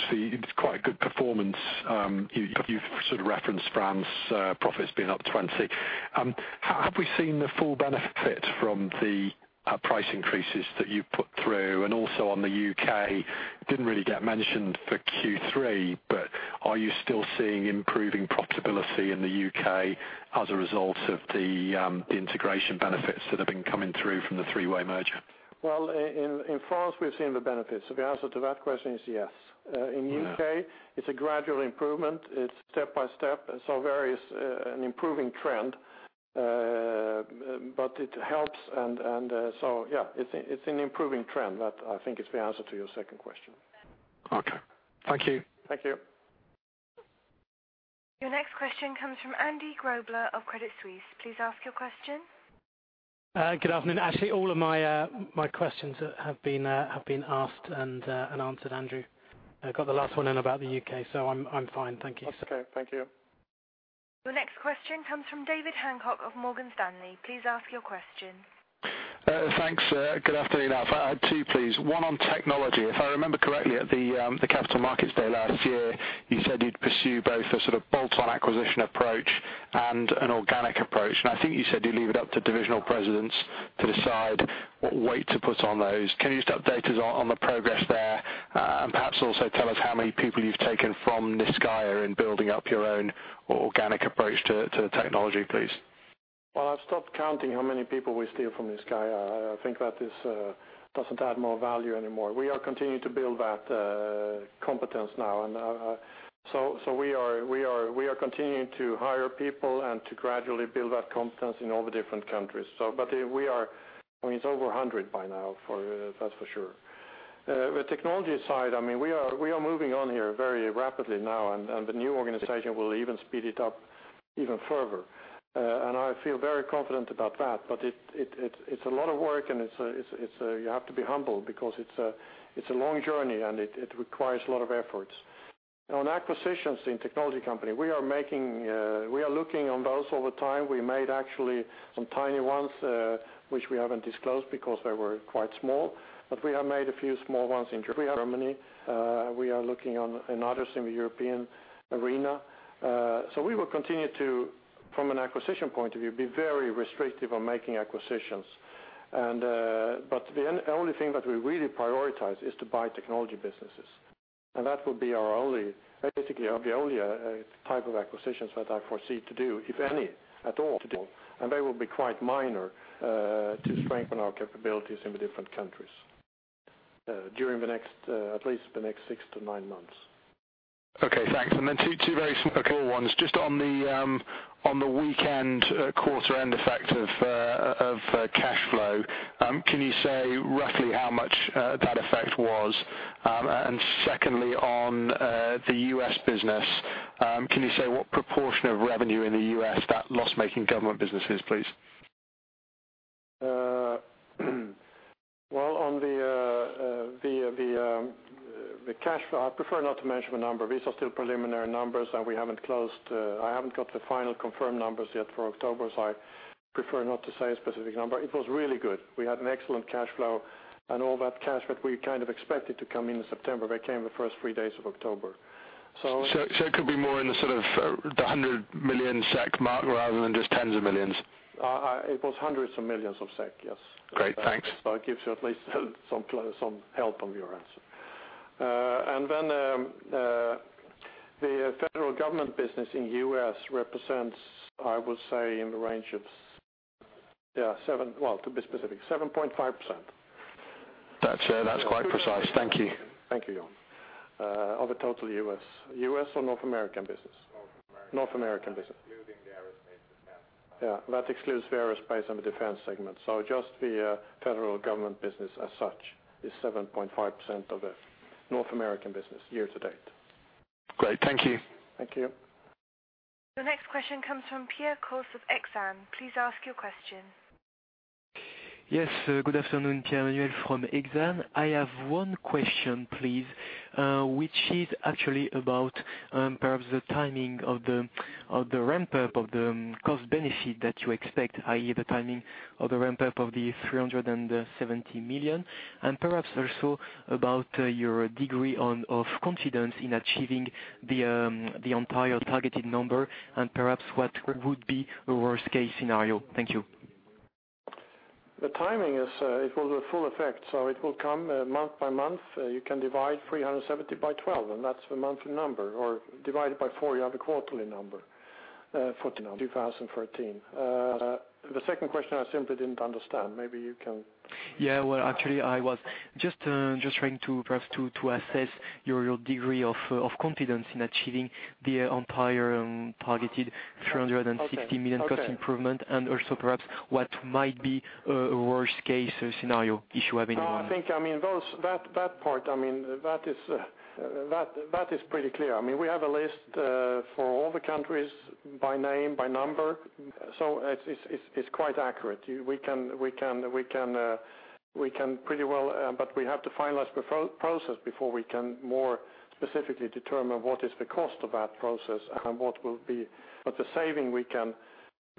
H: obviously, it's quite a good performance. You've sort of referenced France, profits being up 20%. Have we seen the full benefit from the price increases that you've put through? And also on the UK, didn't really get mentioned for Q3, but are you still seeing improving profitability in the UK as a result of the integration benefits that have been coming through from the three-way merger?
A: Well, in France, we've seen the benefits. The answer to that question is yes. In the UK, it's a gradual improvement. It's step by step. So, we have an improving trend, but it helps. So yeah, it's an improving trend. That I think is the answer to your second question.
H: Okay. Thank you.
A: Thank you.
E: Your next question comes from Andy Grobler of Credit Suisse. Please ask your question.
I: Good afternoon. Actually, all of my questions have been asked and answered, Andrew. I've got the last one in about the UK, so I'm fine. Thank you.
A: Okay. Thank you.
E: Your next question comes from David Hancock of Morgan Stanley. Please ask your question.
J: Thanks. Good afternoon, Alf. I have two, please. One on technology. If I remember correctly, at the Capital Markets Day last year, you said you'd pursue both a sort of bolt-on acquisition approach and an organic approach. And I think you said you'd leave it up to divisional presidents to decide what weight to put on those. Can you just update us on the progress there, and perhaps also tell us how many people you've taken from Niscayah in building up your own organic approach to the technology, please?
A: Well, I've stopped counting how many people we steal from Niscayah. I think that doesn't add more value anymore. We are continuing to build that competence now. So we are continuing to hire people and to gradually build that competence in all the different countries. So but we are, I mean, it's over 100 by now, that's for sure. On the technology side, I mean, we are moving on here very rapidly now, and the new organization will even speed it up even further. I feel very confident about that, but it, it's a lot of work, and it's a, it's a you have to be humble because it's a long journey, and it requires a lot of efforts. On acquisitions in technology company, we are looking on those over time. We made actually some tiny ones, which we haven't disclosed because they were quite small, but we have made a few small ones in Germany. We are looking on in others in the European arena. We will continue to, from an acquisition point of view, be very restrictive on making acquisitions. But the only thing that we really prioritize is to buy technology businesses. And that will be basically our only type of acquisitions that I foresee to do, if any at all. And they will be quite minor, to strengthen our capabilities in the different countries, during the next at least the next six to nine months.
J: Okay. Thanks. And then two, two very small ones just on the weekend quarter-end effect of cash flow. Can you say roughly how much that effect was? And secondly, on the US business, can you say what proportion of revenue in the US that loss-making government business is, please? Well, on the cash flow I prefer not to mention the number. These are still preliminary numbers, and we haven't closed. I haven't got the final confirmed numbers yet for October, so I prefer not to say a specific number. It was really good. We had an excellent cash flow, and all that cash that we kind of expected to come in September, they came the first three days of October. So, so, it could be more in the sort of the 100 million SEK mark rather than just tens of millions SEK?
A: It was hundreds of millions of SEK, yes.
J: Great. Thanks.
A: So it gives you at least some help on your answer. And then, the federal government business in the US represents, I would say, in the range of, yeah, 7, well, to be specific, 7.5%.
J: That's, that's quite precise. Thank you. Thank you, John. Of the total US,
A: US or North American business?
J: North American business.
A: Yeah. That excludes the aerospace and the defense segment. So just the federal government business as such is 7.5% of the North American business year to date.
J: Great. Thank you.
A: Thank you.
E: Your next question comes from Pierre Cassedanne of Exane. Please ask your question.
K: Yes. Good afternoon, Pierre from Exane. I have one question, please, which is actually about, perhaps the timing of the ramp-up of the cost-benefit that you expect, i.e., the timing of the ramp-up of the 370 million and perhaps also about, your degree of confidence in achieving the entire targeted number and perhaps what would be a worst-case scenario. Thank you.
A: The timing is, it will be full effect, so it will come month by month. You can divide 370 by 12, and that's the monthly number. Or divide it by 4, you have a quarterly number, for 2013. The second question, I simply didn't understand. Maybe you can?
K: Yeah. Well, actually, I was just trying to perhaps to assess your degree of confidence in achieving the entire targeted 360 million cost improvement and also perhaps what might be a worst-case scenario if you have any.
A: Well, I think I mean, that part I mean, that is pretty clear. I mean, we have a list for all the countries by name, by number. So it's quite accurate. We can pretty well, but we have to finalize the process before we can more specifically determine what is the cost of that process and what will be, but the saving we can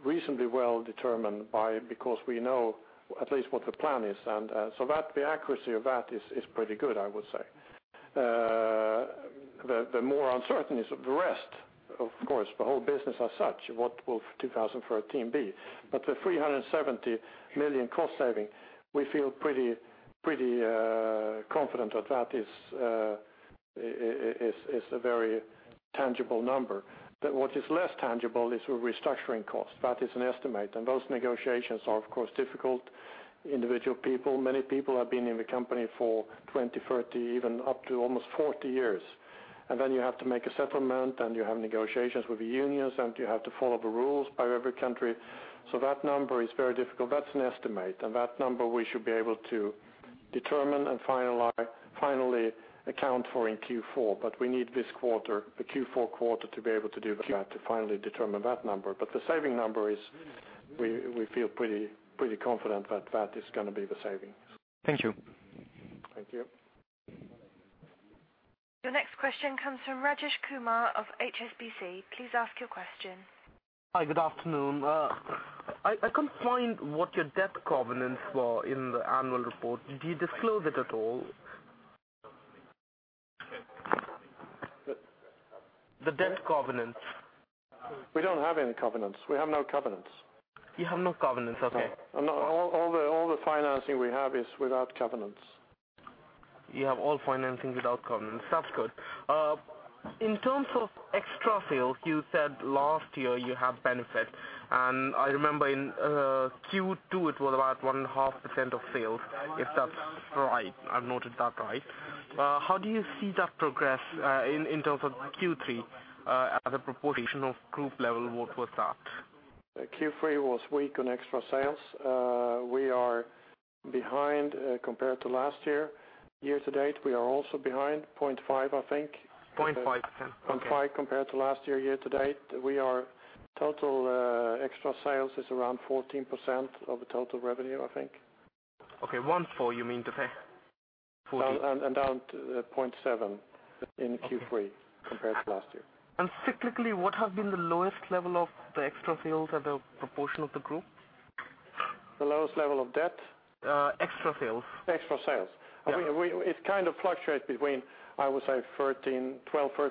A: reasonably well determine because we know at least what the plan is. So that the accuracy of that is pretty good, I would say. The more uncertainties of the rest, of course, the whole business as such, what will 2013 be. But the 370 million cost saving, we feel pretty confident that that is a very tangible number. But what is less tangible is the restructuring cost. That is an estimate, and those negotiations are, of course, difficult. Individual people, many people have been in the company for 20, 30, even up to almost 40 years. And then you have to make a settlement, and you have negotiations with the unions, and you have to follow the rules by every country. So that number is very difficult. That's an estimate, and that number, we should be able to determine and finalize, finally account for in Q4. But we need this quarter, the Q4 quarter, to be able to do that to finally determine that number. The saving number is we, we feel pretty, pretty confident that that is going to be the saving.
K: Thank you.
A: Thank you.
E: Your next question comes from Rajesh Kumar of HSBC. Please ask your question.
L: Hi. Good afternoon. I, I couldn't find what your debt covenants were in the annual report. Did you disclose it at all? The debt covenants.
A: We don't have any covenants. We have no covenants.
L: You have no covenants. Okay.
A: All the financing we have is without covenants.
L: You have all financing without covenants. That's good. In terms of extra sales, you said last year you had benefit. And I remember in Q2, it was about 1.5% of sales, if that's right. I've noted that right. How do you see that progress, in, in terms of Q3, as a proportion of group level? What was that? Q3 was weak on extra sales.
A: We are behind, compared to last year. Year to date, we are also behind 0.5%, I think.
L: Okay. 0.5%
A: compared to last year. Year to date, we are total, extra sales is around 14% of the total revenue, I think.
L: Okay. one four, you mean to say?
A: And, and down to 0.7% in Q3 compared to last year.
L: And cyclically, what has been the lowest level of the extra sales as a proportion of the group?
A: The lowest level of debt?
L: Extra sales.
A: Extra sales. It kind of fluctuates between, I would say, 12%-13%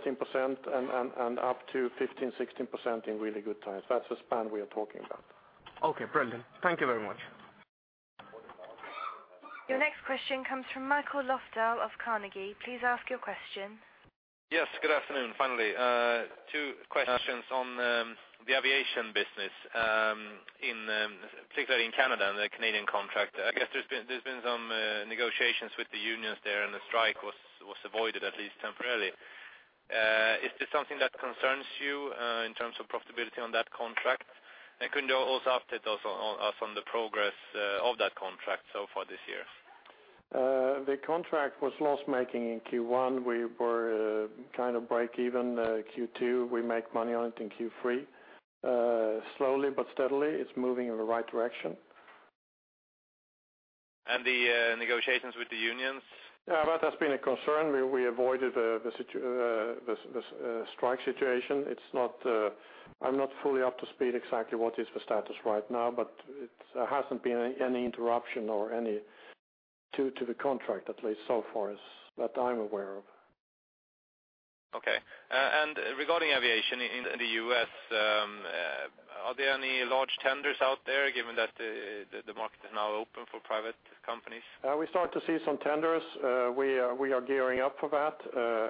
A: and, and, and up to 15%-16% in really good times. That's the span we are talking about.
L: Okay. Brilliant. Thank you very much.
E: Your next question comes from Mikael Löfdahl of Carnegie. Please ask your question.
M: Yes. Good afternoon, finally. Two questions on the aviation business, particularly in Canada and the Canadian contract. I guess there's been some negotiations with the unions there, and the strike was avoided at least temporarily. Is this something that concerns you in terms of profitability on that contract? And could you also update us on the progress of that contract so far this year?
A: The contract was loss-making in Q1. We were kind of break-even in Q2. We make money on it in Q3, slowly but steadily. It's moving in the right direction.
M: And the negotiations with the unions?
A: Yeah. That has been a concern. We avoided the strike situation. It's not—I'm not fully up to speed exactly what the status is right now, but there hasn't been any interruption or any to the contract, at least so far as I'm aware of.
M: Okay. Regarding aviation in the U.S., are there any large tenders out there given that the market is now open for private companies?
A: We start to see some tenders. We are gearing up for that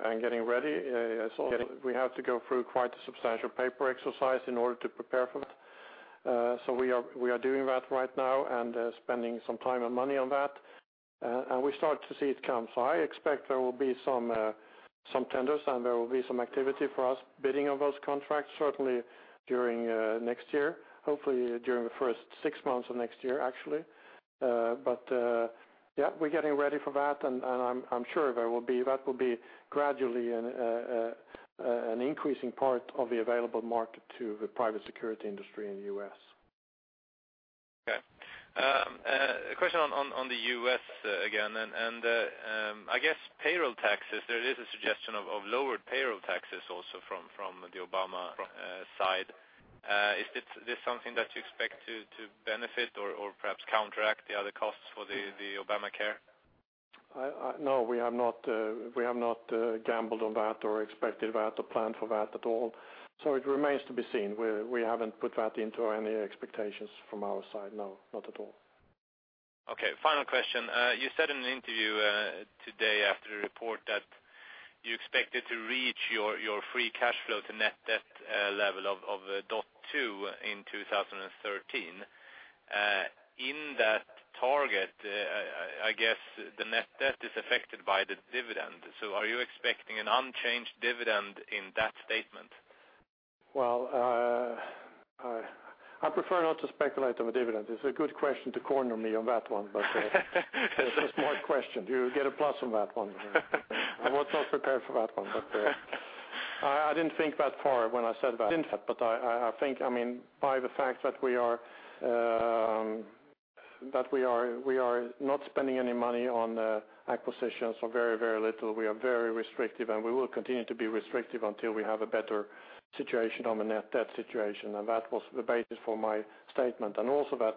A: and getting ready. It's all. We have to go through quite a substantial paper exercise in order to prepare for it. So we are doing that right now and spending some time and money on that. We start to see it come. So I expect there will be some tenders, and there will be some activity for us bidding on those contracts, certainly during next year. Hopefully, during the first six months of next year, actually. But, yeah, we're getting ready for that, and I'm sure that will be gradually an increasing part of the available market to the private security industry in the U.S.
M: Okay. A question on the U.S., again. And I guess payroll taxes. There is a suggestion of lowered payroll taxes also from the Obama side. Is this something that you expect to benefit or perhaps counteract the other costs for the Obamacare?
A: No. We have not gambled on that or expected that or planned for that at all. So it remains to be seen. We haven't put that into any expectations from our side. No. Not at all.
M: Okay. Final question. You said in an interview today after the report that you expected to reach your free cash flow to net debt level of 0.2 in 2013. In that target, I guess the net debt is affected by the dividend. So are you expecting an unchanged dividend in that statement?
A: Well, I prefer not to speculate on the dividend. It's a good question to corner me on that one, but it's a smart question. You get a plus on that one. I was not prepared for that one, but I think I mean, by the fact that we are not spending any money on acquisitions or very, very little. We are very restrictive, and we will continue to be restrictive until we have a better situation on the net debt situation. That was the basis for my statement and also that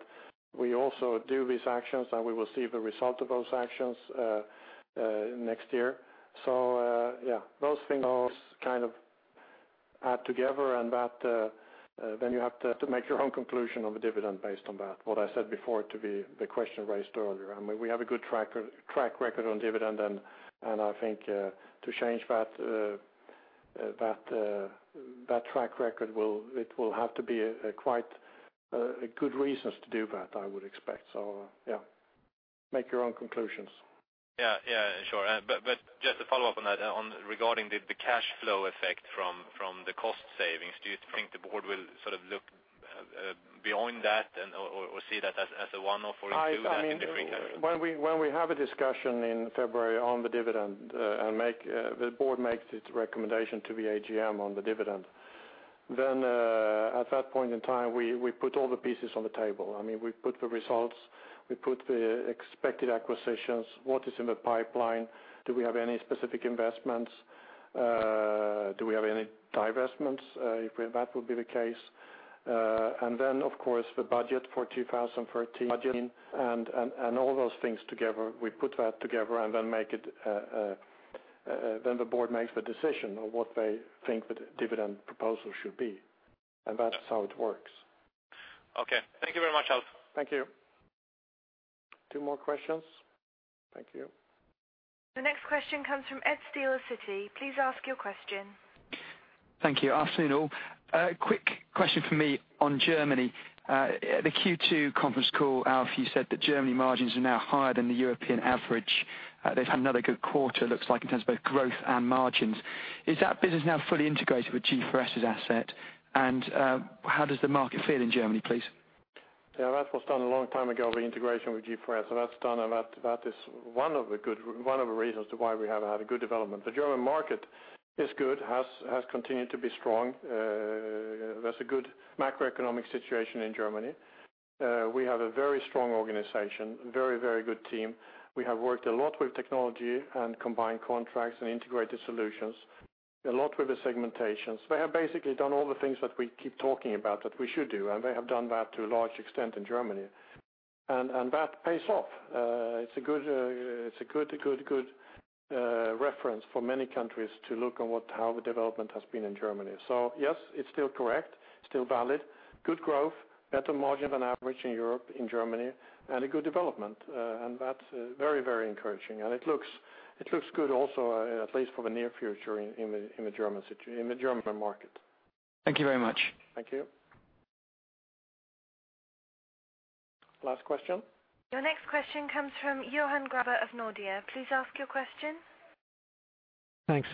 A: we also do these actions, and we will see the result of those actions next year. So, yeah. Those things kind of add together, and that then you have to make your own conclusion on the dividend based on that, what I said before to the question raised earlier. I mean, we have a good track record on dividend, and I think to change that track record will have to be quite a good reason to do that, I would expect. So yeah. Make your own conclusions.
M: Yeah. Yeah. Sure. But just to follow up on that, regarding the cash flow effect from the cost savings, do you think the board will sort of look beyond that and or see that as a one-off or include that in the free cash flow?
A: I think when we have a discussion in February on the dividend, and the board makes its recommendation to the AGM on the dividend, then at that point in time, we put all the pieces on the table. I mean, we put the results. We put the expected acquisitions. What is in the pipeline? Do we have any specific investments? Do we have any divestments if that would be the case. And then, of course, the budget for 2013 and all those things together. We put that together and then make it, then the board makes the decision on what they think the dividend proposal should be. And that's how it works.
M: Okay. Thank you very much, Alf.
A: Thank you. Two more questions. Thank you.
E: Your next question comes from Ed Steele, Citi. Please ask your question.
N: Thank you. Afternoon. Quick question for me on Germany. At the Q2 conference call, Alf, you said that Germany margins are now higher than the European average. They've had another good quarter, it looks like, in terms of both growth and margins. Is that business now fully integrated with G4S's asset? And, how does the market feel in Germany, please?
A: Yeah. That was done a long time ago, the integration with G4S. That's done and that is one of the good reasons to why we have had a good development. The German market is good, has continued to be strong. There's a good macroeconomic situation in Germany. We have a very strong organization, very, very good team. We have worked a lot with technology and combined contracts and integrated solutions, a lot with the segmentations. They have basically done all the things that we keep talking about that we should do, and they have done that to a large extent in Germany. And that pays off. It's a good reference for many countries to look on how the development has been in Germany. So yes, it's still correct, still valid. Good growth, better margin than average in Europe, in Germany, and a good development. And that's very, very encouraging. It looks good also, at least for the near future in the German situation in the German market.
N: Thank you very much.
A: Thank you. Last question.
E: Your next question comes from Johan Grabe of Nordea. Please ask your question.
O: Thanks.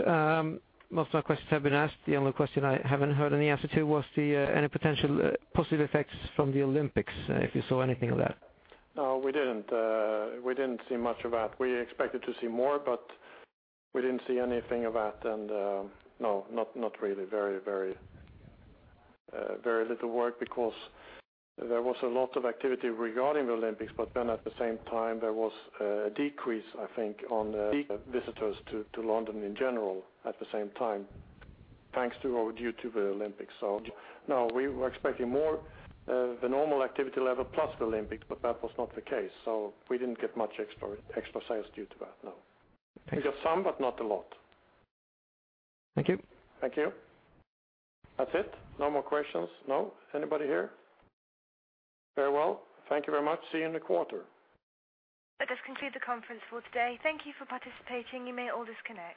O: Most of my questions have been asked. The only question I haven't heard any answer to was the any potential, possible effects from the Olympics, if you saw anything of that.
A: No, we didn't. We didn't see much of that. We expected to see more, but we didn't see anything of that. And, no. Not really. Very little work because there was a lot of activity regarding the Olympics, but then at the same time, there was a decrease, I think, in visitors to London in general at the same time, thanks to or due to the Olympics. So no. We were expecting more, the normal activity level plus the Olympics, but that was not the case. So we didn't get much extra extra sales due to that. No. We got some, but not a lot.
O: Thank you.
A: Thank you. That's it. No more questions. No? Anybody here? Very well. Thank you very much. See you in the quarter.
E: That does conclude the conference call today. Thank you for participating. You may all disconnect.